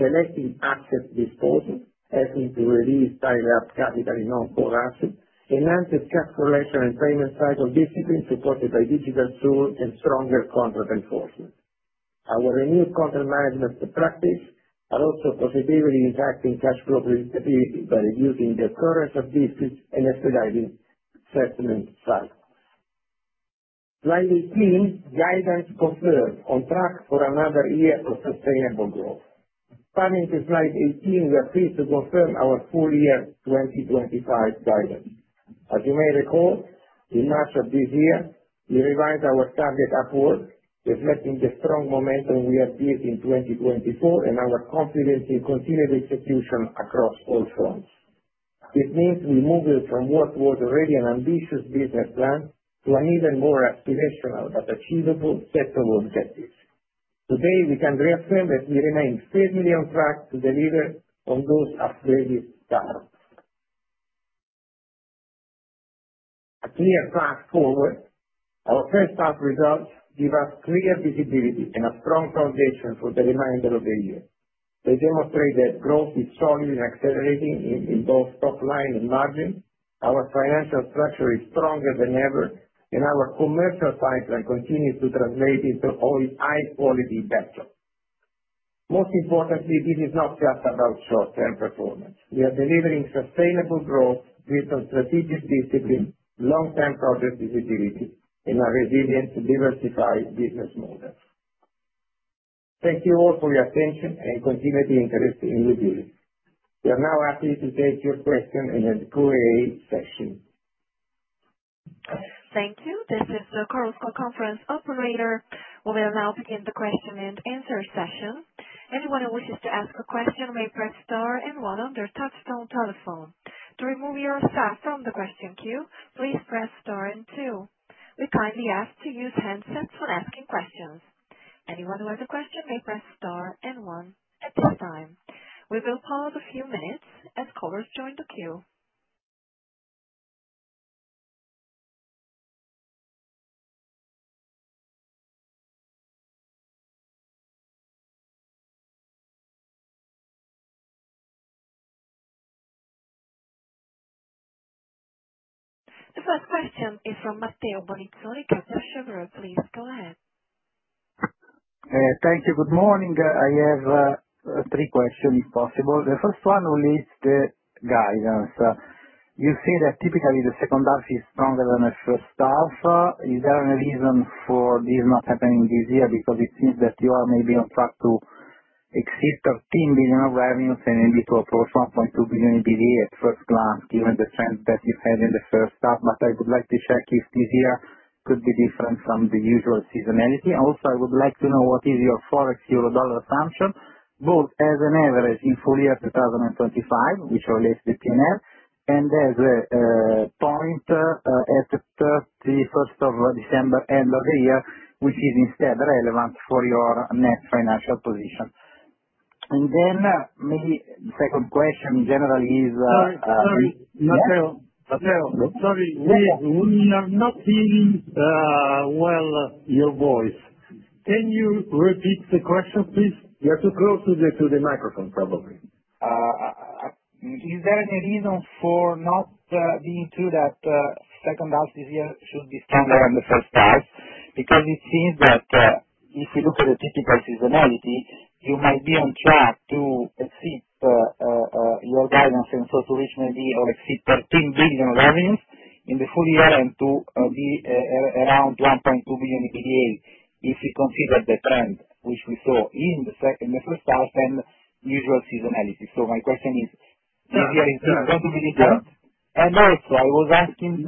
Selective asset disposal, helping to reduce tied-up capital in non-core assets, enhances calculation and payment cycle discipline, supported by digital tools and stronger contract enforcement. Our renewed contract management practices are also positively impacting cash flow predictability by reducing the occurrence of disputes and expediting settlement cycles. Slide 18 guidance confirms on track for another year of sustainable growth. Coming to Slide 18, we are pleased to confirm our full year 2025 guidance. As you may recall, in March of this year we revised our target upward, reflecting the strong momentum we achieved in 2024 and our confidence in continued execution across all fronts. This means we moved from what was already an ambitious business plan to an even more aspirational but achievable set of objectives. Today we can reaffirm that we remain certainly on track to deliver on those upgraded targets. Fast forward, our first half results give us clear visibility and a strong foundation for the remainder of the year. They demonstrate that growth is solid and accelerating in both top line and margin. Our financial structure is stronger than ever, and our commercial pipeline continues to translate into high quality backlog. Most importantly, this is not just about short term performance. We are delivering sustainable growth based on strategic discipline, long term project visibility, and a resilient, diversified business model. Thank you all for your attention and continued interest in Webuild. We are now happy to take your questions in the Q&A session. Thank you. This is the Karlsko Conference Operator. We will now begin the Q&A session. Anyone who wishes to ask a question may press star and one on their touch-tone telephone. To remove yourself from the question queue, please press star and two. We kindly ask to use handsets when asking questions. Anyone who has a question may press star and one. At this time, we will pause a few minutes as callers join the queue. The first question is from Matteo Bonizzo Riccaboni. Please go ahead. Thank you. Good morning. I have three questions if possible. The first one is the guidance. You say that typically the second half is stronger than the first half. Is there any reason for this not happening this year? It seems that you are maybe on track to exceed 13 billion of revenues and maybe to approach 1.2 billion EBITDA at first glance given the trend that you had in the first half. I would like to check if this year could be different from the usual seasonality. I would also like to know what is your forex Eurodollar assumption both as an average in full year 2025, which I list in the P&L, and as a point at the 31st of December end of the year, which is instead relevant for your net financial position. Maybe the second question generally is. Sorry, we are not hearing your voice well. Can you repeat the question, please? You're too close to the microphone probably. Is there any reason for not being true that second half this year should be stronger than the first half? It seems that if we look at the typical seasonality, you might be on track to exceed your guidance and to reach maybe or exceed 13 billion revenues in the full year and to be around 1.2 billion EBITDA if we consider the trend which we saw in the first half and usual seasonality. My question is going to be good and also I was asking.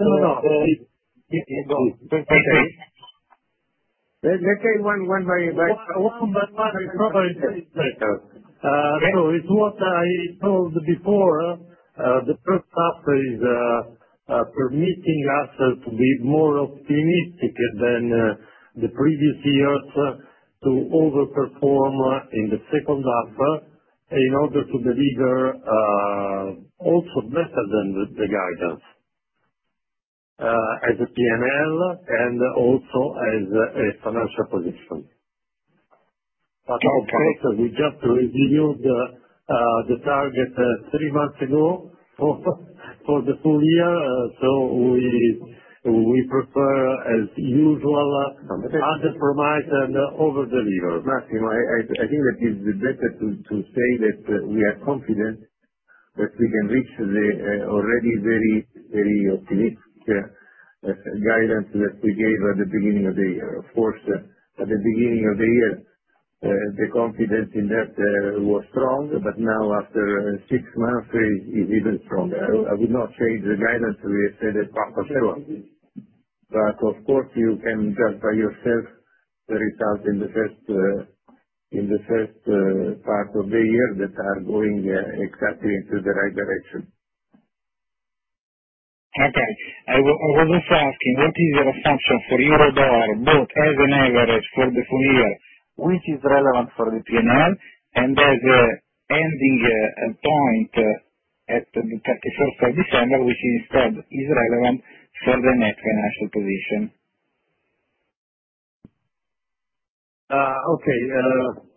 What I told before, the first half is permitting us to be more optimistic than the previous years to overperform in the second half in order to deliver also better than the. Guidance. As a P&L and also. As a financial position. We just reviewed the target three months ago for the full year. We prefer as usual to under promise and over deliver, Massimo. I think that it is better to say that we are confident that we can reach the already very, very optimistic guidance that we gave at the beginning of the year. Of course, at the beginning of the year the confidence in that was strong, but now after six months is even stronger. I would not change the guidance we set at. Of course, you can judge by yourself the results in the first part of the year that are going exactly into the right direction. Okay, I was also asking what is your assumption for Eurodollar both as an average for the full year, which is relevant for the P&L, and as ending point at 31 December, which instead is relevant for the net financial position. Okay,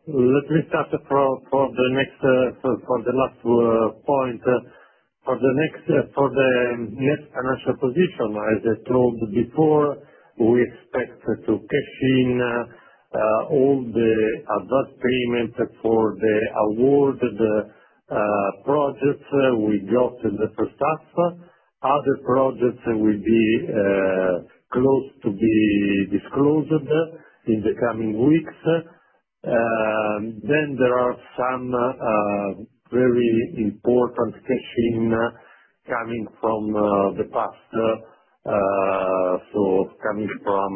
let me start for the last point, for the net financial position. As I told before, we expect to cash in all the advanced payments for the awarded projects we got in the first half. Other projects will be close to be disclosed in the coming weeks. There are some very important cash in coming from the past. So coming. From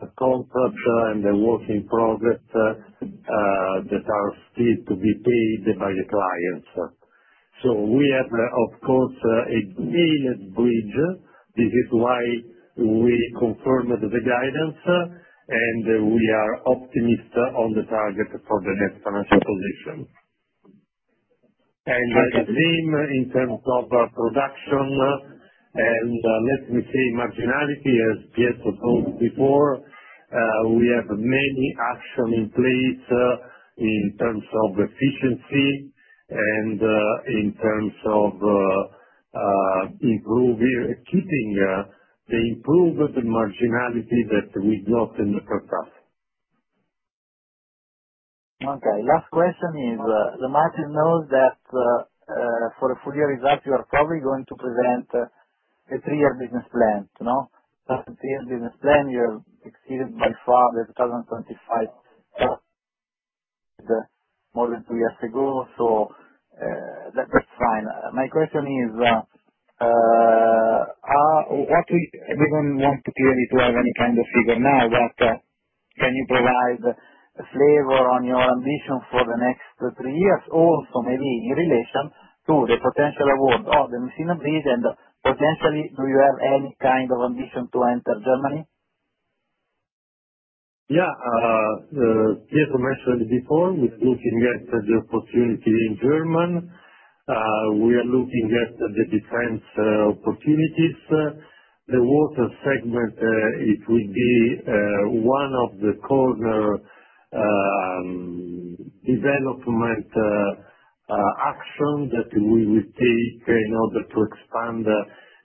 a contract and a working project that are still to be paid by the clients, we have of course a gained bridge. This is why we confirmed the guidance, and we are optimist on the target. For the next financial position and the. Same in terms of production and let me say marginality. As Pietro told before, we have many actions in place in terms of efficiency and in terms of improving, keeping the improved marginality that we got in the first half. Okay, last question is the market knows that for a full year result you are probably going to present a three-year business plan. Business plan you exceeded by far the 2025 more than two years ago. That's fine. My question is, we don't want clearly to have any kind of figure now, but can you provide a flavor on your ambition for the next three years, also maybe in relation to the potential award of the Messina Bridge, and potentially do you have any kind of ambition to enter Germany? Yes, I mentioned before we're looking at the opportunity in Germany. We are looking at the defense opportunities. The water segment will be one of the corner development actions that we will take in order to expand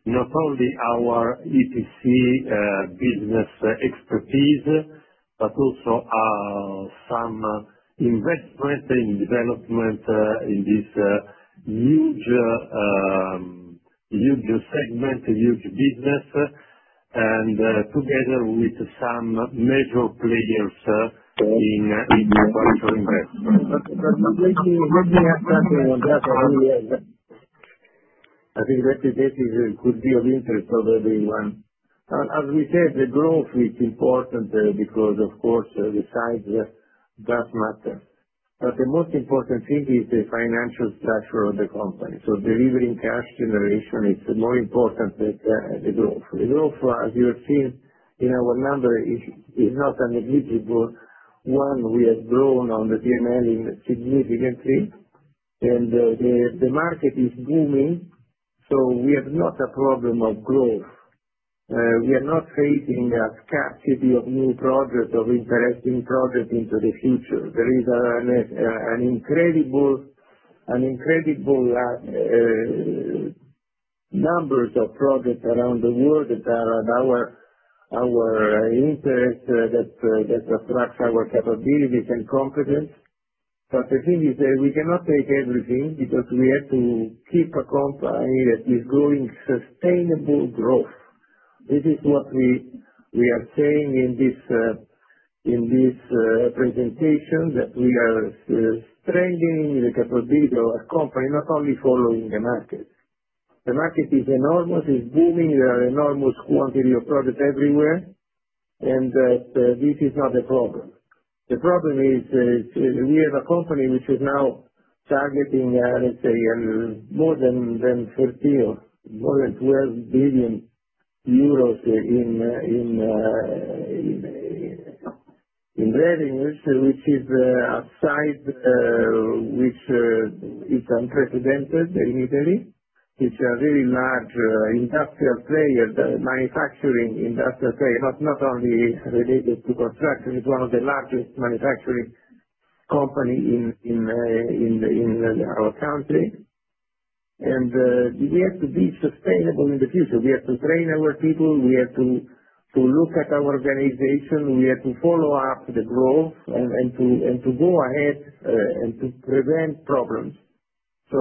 not only our EPC business expertise, but also some investment in development in this huge segment, huge business, and together with some major players in. *crosstalk* I think that could be of interest to everyone. As we said, the growth is important. Because of course the size does matter, but the most important thing is the financial structure of the company. Delivering cash generation is more important than the growth. The growth, as you have seen in our number, is not a negligible one. We have grown on the DNL significantly, and the market is booming. We have not a problem of growth. We are not facing a scarcity of new projects, of interesting projects into the future. There is an incredible, incredible number of projects around the world that are at our interest, that attracts our capabilities and confidence. The thing is that we cannot take everything because we have to keep a company that is growing sustainable growth. This is what we are saying. This presentation, we are trending the. A company not only following. The market is enormous, is booming. There are enormous quantity of product everywhere. This is not the problem. The problem is we have a company which is now targeting, let's say, more than $30 billion or more than $12 billion. Euros in. In revenues, which is a site which is unprecedented in Italy. It's a really large industrial player, manufacturing industrial player, but not only related to construction. It's one of the largest manufacturing company in our country. We have to be sustainable in the future. We have to train our people, we have to look at our organization. We had to follow up the growth. To go ahead and to prevent problems,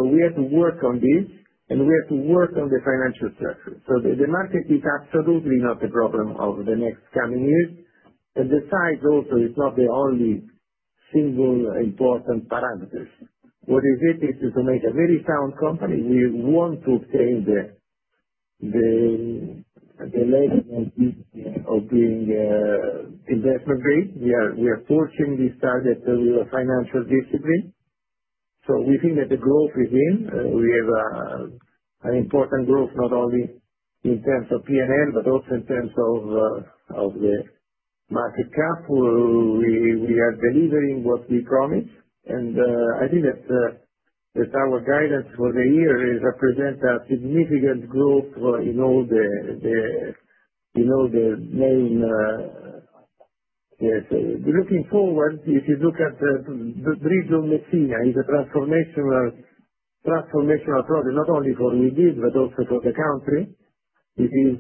we had to work on this, and we have to work on the financial structure. The market is absolutely not the problem over the next coming years, and the size also is not the. Only single important parameter. What is it? It's a very sound company. We want to obtain the leg of being investment based. We are fortunately started with a financial discipline. We think that the growth is in, we have an important growth, not only in terms of P&L, but also in terms of the market cap. We are delivering what we promised, and I think that our guidance for the year represents a significant growth in. All the main looking forward. If you look at the bridge on Messina. It's a transformational, transformational project, not only for Ligis, but also for the country. It is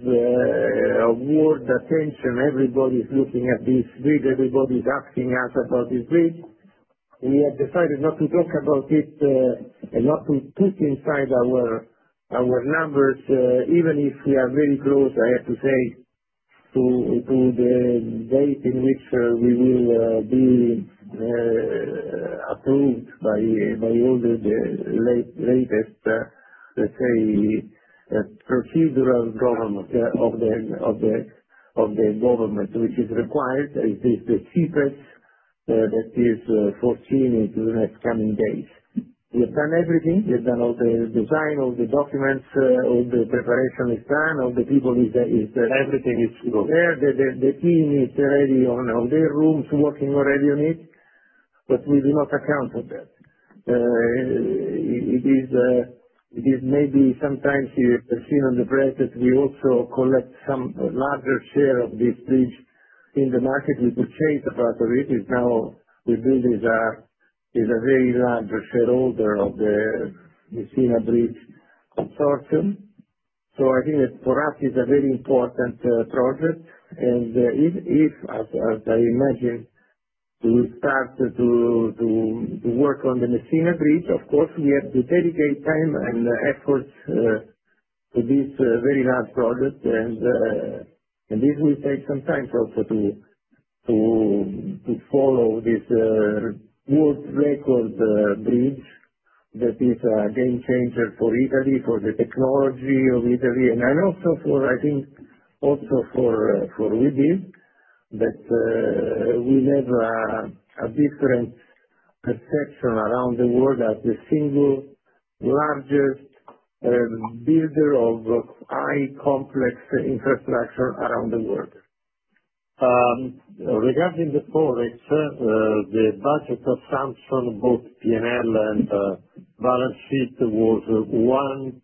a world attention. Everybody is looking at this, everybody's active about this bridge. We have decided not to talk about it and not to put inside our numbers, even if we are very close. I have to say, to the date in which we will be approved by. *audio distortion* *audio distortion* All the latest procedural government of the government which is required. Is this the cheapest that is foreseen? In the next coming days, we have done everything. We have done all the design, all the documents, all the preparation is done. All the people, everything is there. The team is ready on all their. Rooms, working already on it, but we. Do not account for that. Maybe sometimes you have seen. On the press that we also collect some larger share of this bridge in the market. We could change part of it. Is now Webuild. Is a very large shareholder of the Messina Bridge consortium. I think that for us is a very important project. If, as I imagine, to start to work on the Messina Bridge, of course we have to dedicate time and effort to this very large project. This will take some time. To follow this world record bridge, that is. A game changer for Italy, for the technology of Italy, and also for me. Think also for Webuild, that we have. A different perception around the world as the single largest builder of high complex infrastructure around the world. Regarding the Forex, the budget assumption, both P&L and balance sheet, was $1.12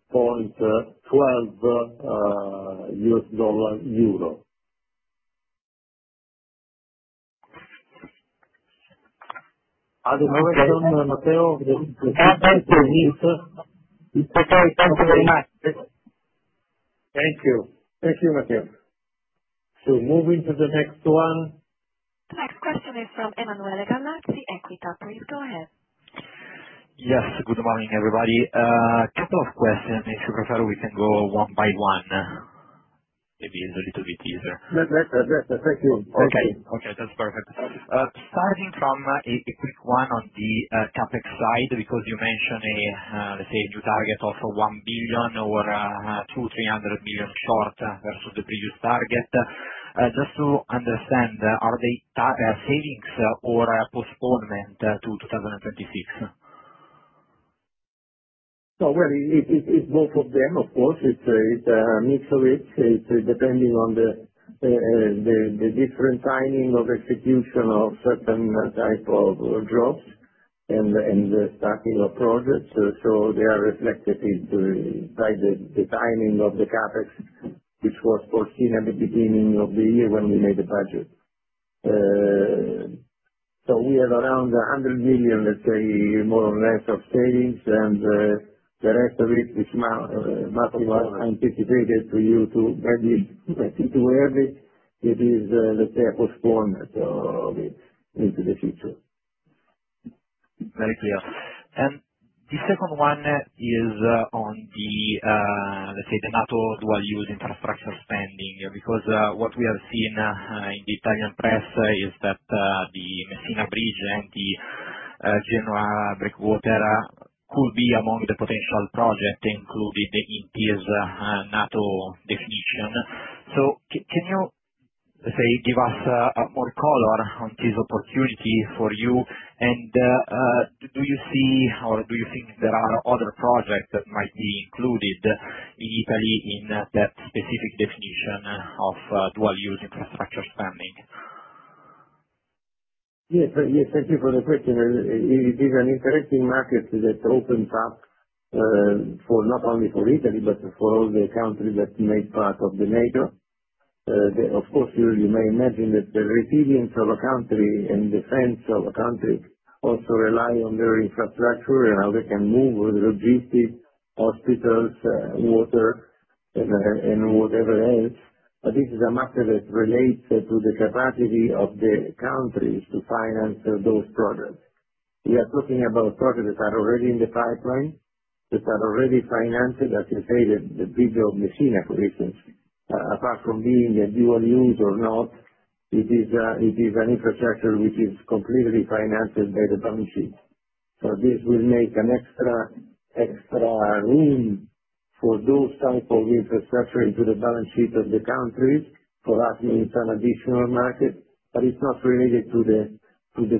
USD/EUR. Okay, thank you very much. Thank you. Thank you, Matthias. Moving to the next one, the. Next question is from Emanuele Garanzi, Equita. Please go ahead. Yes, good morning everybody. A couple of questions. If you prefer, we can go one by one, maybe it's a little bit easier. Thank you. Okay, okay, that's perfect. Starting from a quick one on the CapEx side, because you mentioned, let's say, a new target of 1 billion or 2.3 billion short versus the previous target. Just to understand, are they savings or a postponement to 2026? It's both of them. Of course, it's a mix of it depending on the different timing of execution of certain type of jobs and starting of projects. They are reflected by the timing of the CapEx, which was foreseen at the beginning of the year when we made the budget. We have around 100 million, let's say, more or less of savings and the rest of it is much more anticipated for you to get this into the future. Very clear. The second one is on the. Let's say the NATO dual use infrastructure spending. Because what we have seen in the Italian press is that the Messina Bridge and the Genoa breakwater could be among the potential projects included in NATO's definition. Can you give us more color on this opportunity for you, and do you see or do you think there are other projects that might be included in Italy in that specific definition of dual use infrastructure spending? Yes, thank you for the question. It is an interesting market that opens up not only for Italy, but for all the countries that make part of NATO. Of course, you may imagine that the resilience of a country and defense of a country also rely on their infrastructure. They can move logistics, hospitals. Water and whatever else. This is a matter that relates to the capacity of the countries to finance those projects. We are talking about projects that are already in the pipeline, that are already financing, as you say, the big Messina, for instance. Apart from being a dual use or not, it is an infrastructure which is completely financed by the balance sheet. This will make an extra, extra for those type of infrastructure into the balance sheet of the countries. That means some additional market, but it's not related to the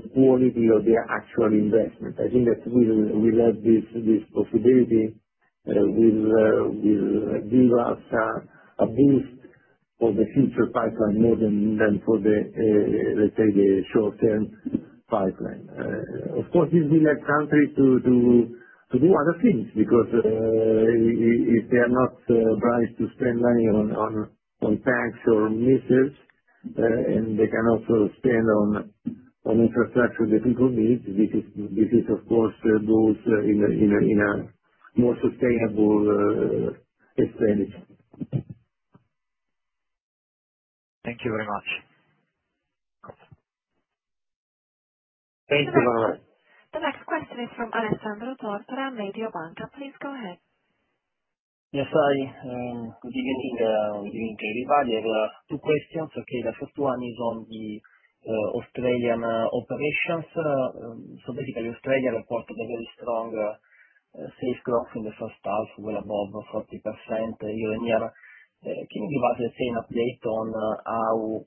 quality of the actual investment. I think that we let this possibility. Will give us a boost for the. Future pipeline more than for the, let's say, the short term pipeline. Of course, if we let countries to. To do other things, because if they. Are not bribed to spend money on tax or missiles, and they can also spend on infrastructure that people need. This is, of course, in a more sustainable strategy. Thank you very much. Thank you, Emanuele. The next question is from Alessandro Torta and Lady Oblanca. Please go ahead. Yes, good evening to everybody. I have two questions. Okay, the first one is on the Australian operations. Australia reported a very strong. Sales growth in the first half, above 40% year-on-year. Can you give us the same update? On how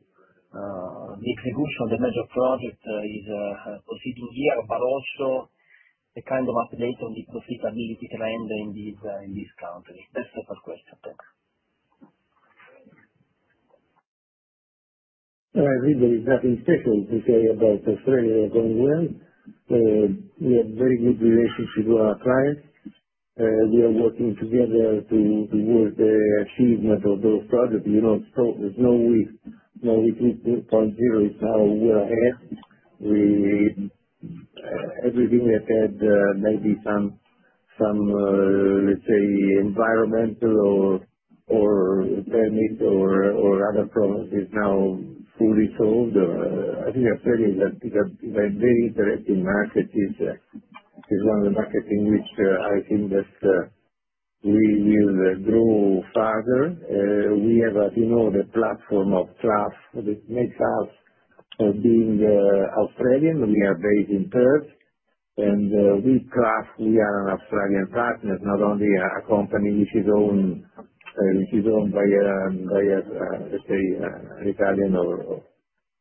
the execution of the major project is proceeding here, but also the. Kind of update on the profitability trend in these countries? That's the first question. Thanks. I agree there is nothing special to say about Australia going well. We have very good relationship with our clients. We are working together towards the achievement. Of those projects, you know, there's no risk. We think 2.0 is now well ahead. Everything that had maybe some, let's say, environmental or permit or other problems is now fully solved. I think I'm telling that very interesting market is one of the markets in which I think that we will grow farther. We have, as you know, the platform of trough that makes us being Australian. We are based in Perth, and we trust we are an Australian partner, not only a company which is owned by an Italian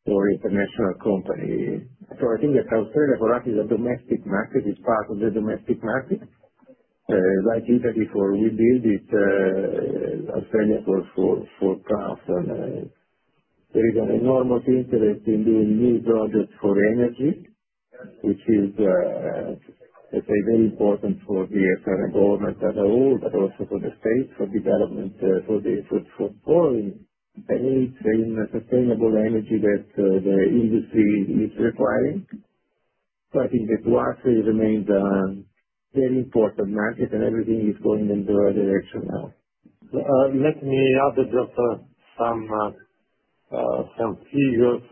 or international company. I think that Australia for us is a domestic market. It's part of the domestic market like ETA before we build it sustainable for crafts. There is an enormous interest in doing new projects for energy, which is, let's say, very important for the federal government as a whole, but also for the state for development, for any sustainable energy that the industry is requiring. I think that water remains a very important market and everything is going. In the right direction. Now let me add just some figures.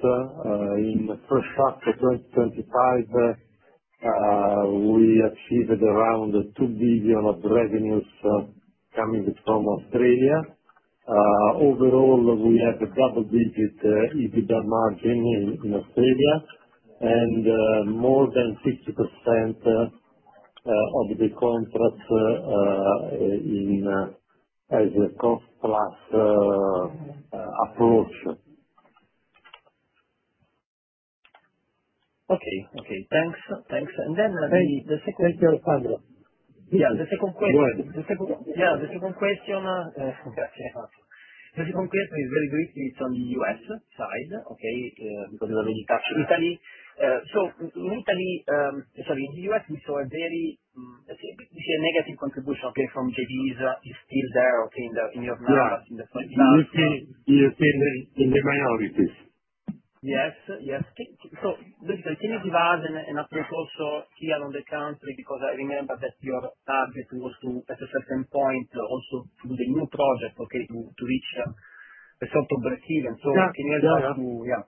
In the first half of 2025, we achieved. Around EUR 2 billion of revenues coming from Australia. Overall, we have a double-digit EBITDA margin in Australia and more than 50%. Of the contracts in as a cost plus approach. Okay, thanks, thanks. The second. Yeah, the second question. The second question is very good. It's on the U.S. side. Okay, because it already touched Italy. In the U.S. we saw a very negative contribution from JV is still there. *crosstalk* *crosstalk* In the minorities. Yes, yes. Can you give us an update? Also here on the country? Because I remember that your target was. To at a certain point also. Do the new project. Okay. To reach a sort of Brazilian, can you help us to? Yeah.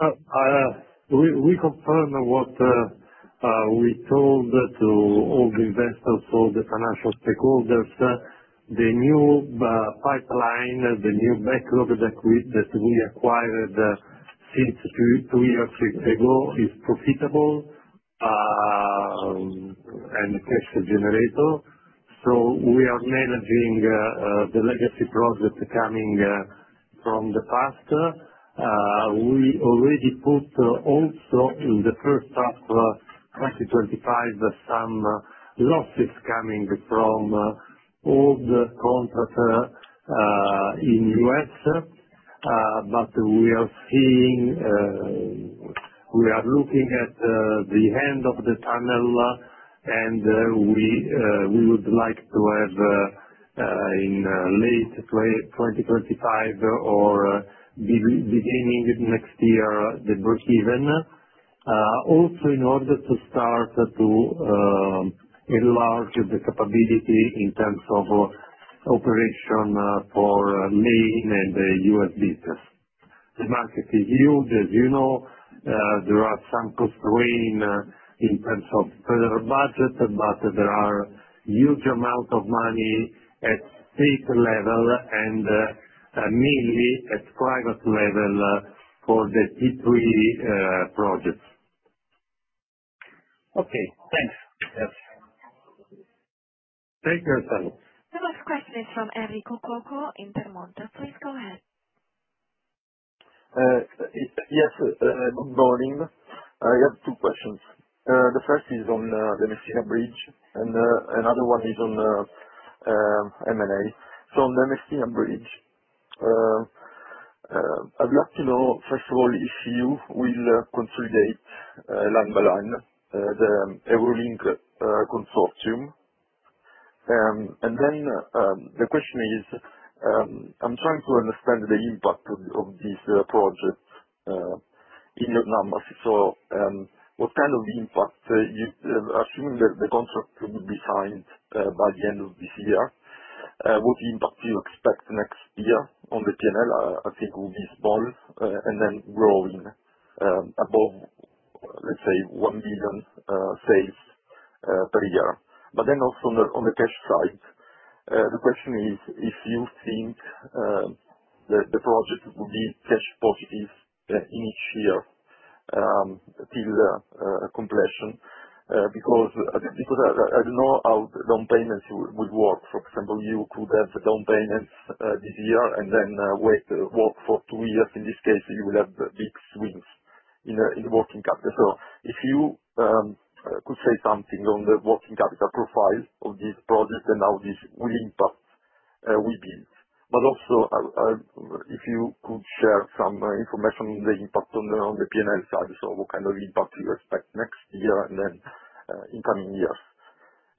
We confirm what we told to all the investors, all the financial stakeholders. The new pipeline, the new backlog that we acquired since two years ago is profitable. Cash generator. We are managing the legacy project coming from the past. We already put also in the first. Half 2025, some losses coming from all. The contractor in the U.S., but we are seeing, we are looking at the end of the tunnel, and we would like to have in late 2025 or beginning next year the breakeven also in. order to start to enlarge the capability. In terms of operation for main and U.S. business, the market is huge. As you know, there are some constraints. In terms of federal budget, there. are huge amounts of money at state level and mainly at private level for the T3 projects. Okay, thanks. The next question is from Enrico Coco in Permonte. Please go ahead. Yes, good morning. I have two questions. The first is on the Messina Bridge and another one is on M&A, so on. The Messina Bridge. I'd like to know. First of all, if you will consolidate line by line the eruling consortium, and then the question is I'm trying to understand the impact of this project in your numbers, so what kind of impact? Asume that the contract would be signed by the end of this year, what impact do you expect next year? On the P&L, I think will be small and then growing above, let's say, $1 billion sales per year, but then also on the cash side, the question is if you think the project would be cash positive in each year till the completion because I don't know how down payments would work. For example, you could have the down payments this year and then wait for two years. In this case, you will have big swings in the working capital, so if you could say something on the working capital profile of this project and how this will impact, but also if you could share some information on the impact on the P&L side, so what kind of impact you expect next year and then in coming years.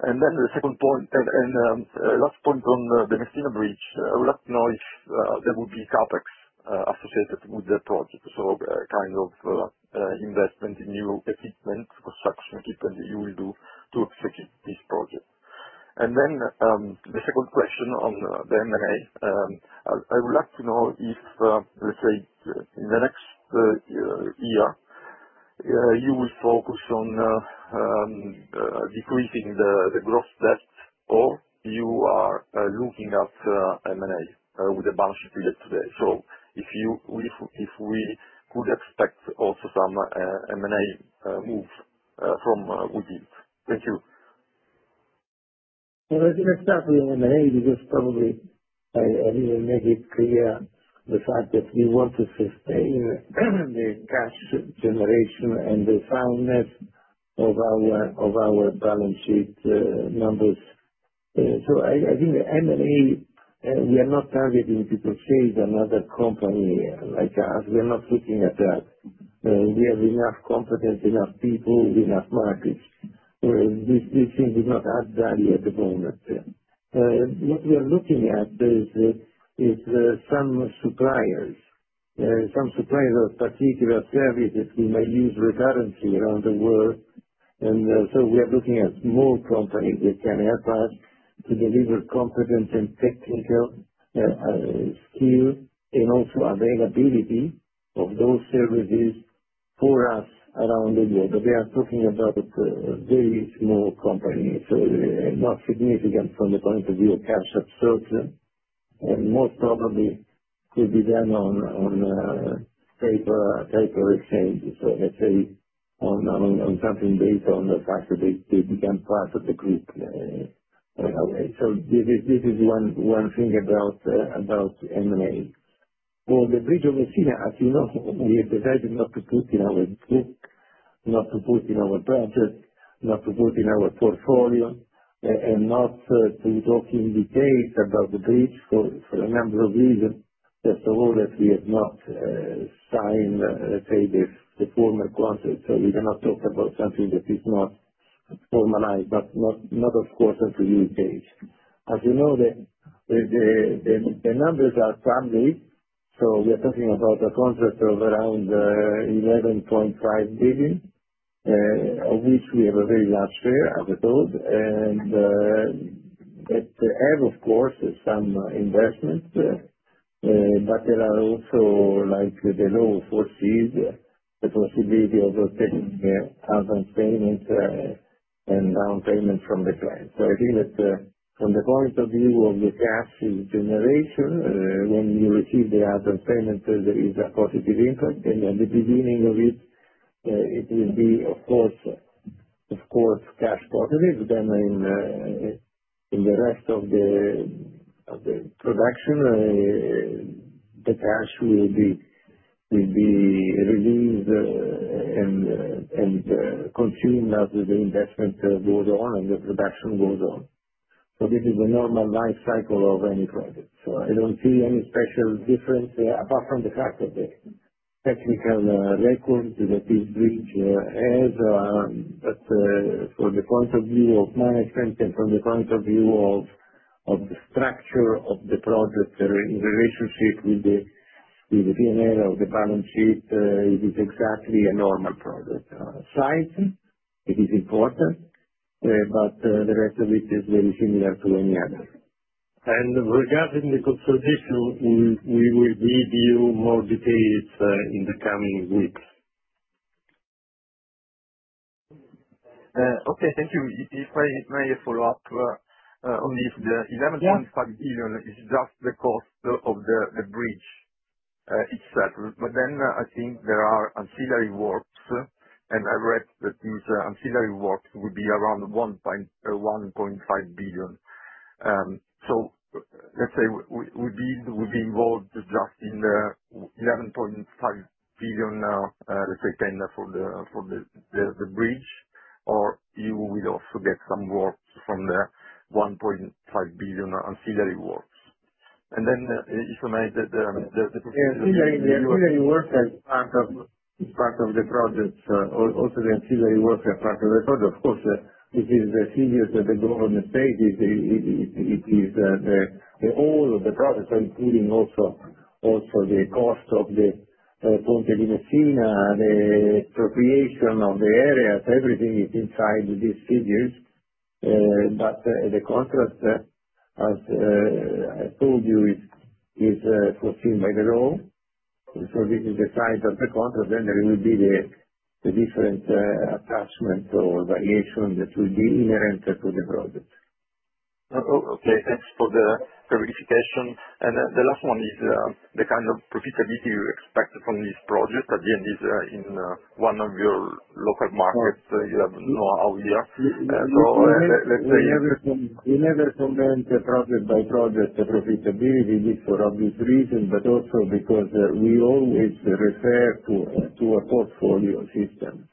The second point and last point, on the Messina Bridge, I would like to know if there would be CapEx associated with the project, so kind of investment in new equipment, construction dependent you will do to execute this project. The second question on the M&A, I would like to know if, let's say, in the next year you will focus on decreasing the gross debt or you are looking at M&A with a balance sheet today, so if we could expect also some M&A move from within. Thank you. Let's start with M&A because probably I need to make it clear the fact that we want to sustain the cash generation and the soundness of our balance sheet numbers. I think the M&A we are not targeting because she is another company like us. We're not looking at that. We have enough competence, enough people, enough markets. This thing does not add. Value at the moment, what we are. Looking at some suppliers, some suppliers of particular services we may use recurrently around the world, we are looking at small companies that can help us to deliver competent and technical. Skill. Availability of those services for us around the globe, we are talking about very small companies, not significant from the point of view of cash absorption. Most probably could be done on. Paper exchanges, so let's say on something. Based on the fact that they become part of the Greek. This is. One thing about M&A. For the bridge of Messina. As you know, we have decided not. To put in our book, not to put in our budget, not to put in our portfolio and not to talk to indicate about the bridge for a number of reasons. First of all, that we have not signed, let's say, the formal contract. We cannot talk about something that is not formalized, but not, of course, at the age, as you know, the numbers are some big. We are talking about a contract of around 11.5 billion, of which we have a very large share as a code, and that have, of course, some investments. There are also like the low foresee the possibility of payment and down payment from the client. I think that from the point of view of the cash generation, when you receive the advance payment, there is a positive impact and at the beginning it will be, of course, cash positive. In the rest of the production, the cash will be released and consumed as the investment goes on and the production goes on. This is a normal life cycle of any project. I don't see any special difference apart from the fact that the technical record that this bridge has. From the point of view of management, from the point of view of the structure of the project in relationship with the balance sheet, it is exactly a normal project size. It is important, but the rest of it is very similar to any other. Regarding the consolidation, we will give you more details in the coming weeks. Okay, thank you. If I may follow up on this, the $11.5 billion is just the cost. Of the bridge itself, I think there are ancillary works. I read that these ancillary works will be around 1.5 billion. Let's say you'll be involved just in the 11.5 billion tender for the bridge, or you will also get some work from the 1.5 billion ancillary works. If you may. *crosstalk* *crosstalk* As part of the project, also the ancillary work as part of the project, of course, this is the figures that the government paid. It is that all of the protestants in the. Also the cost of the Messina. Messina, the proprietion of the areas, everything is inside these figures. The contract, as I told you, is fulfilled by the law. This is the size of the contract. There will be the different attachments or variation that will be inherent to the project. Okay, thanks for the clarification. The last one is the kind of profitability you expect from this project again is in one of your local markets. You have no idea. *crosstalk* *crosstalk* We never comment by project profitability. This for obvious reason, but also because we always refer to a portfolio system.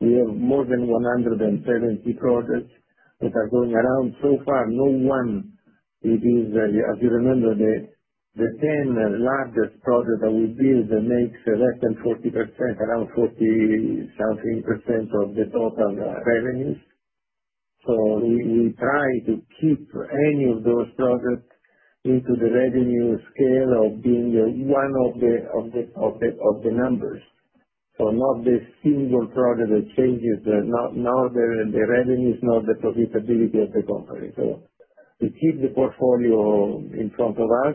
We have more than 170 projects that are going around. As you remember, the 10 largest projects that we build make less than 40%, around 40-something % of the total revenues. We try to keep any of. Those projects into the revenue scale. Being one of the numbers. Not the single product that changes, nor the revenues, nor the profitability of the company. We keep the portfolio in front. Of us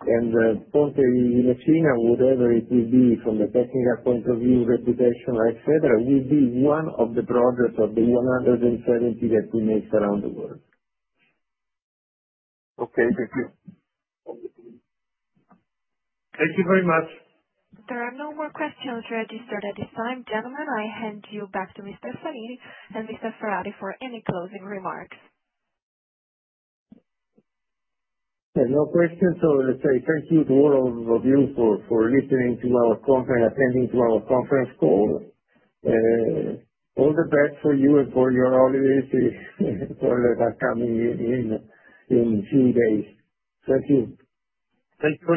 and Ponte Inaccina, whatever it will be from the technical point of view, reputation, etc, will be one of the projects of the 170 that we make around the world. Okay, thank you. Thank you very much. There are no more questions registered at this time. Gentlemen, I hand you back to Mr. Salini and Mr. Ferrari for any closing remarks. No questions. Let's say thank you to all of you for listening to our conference, attending our conference call. All the best for you and for your holidays coming in a few days. Thank you. Thank you very much.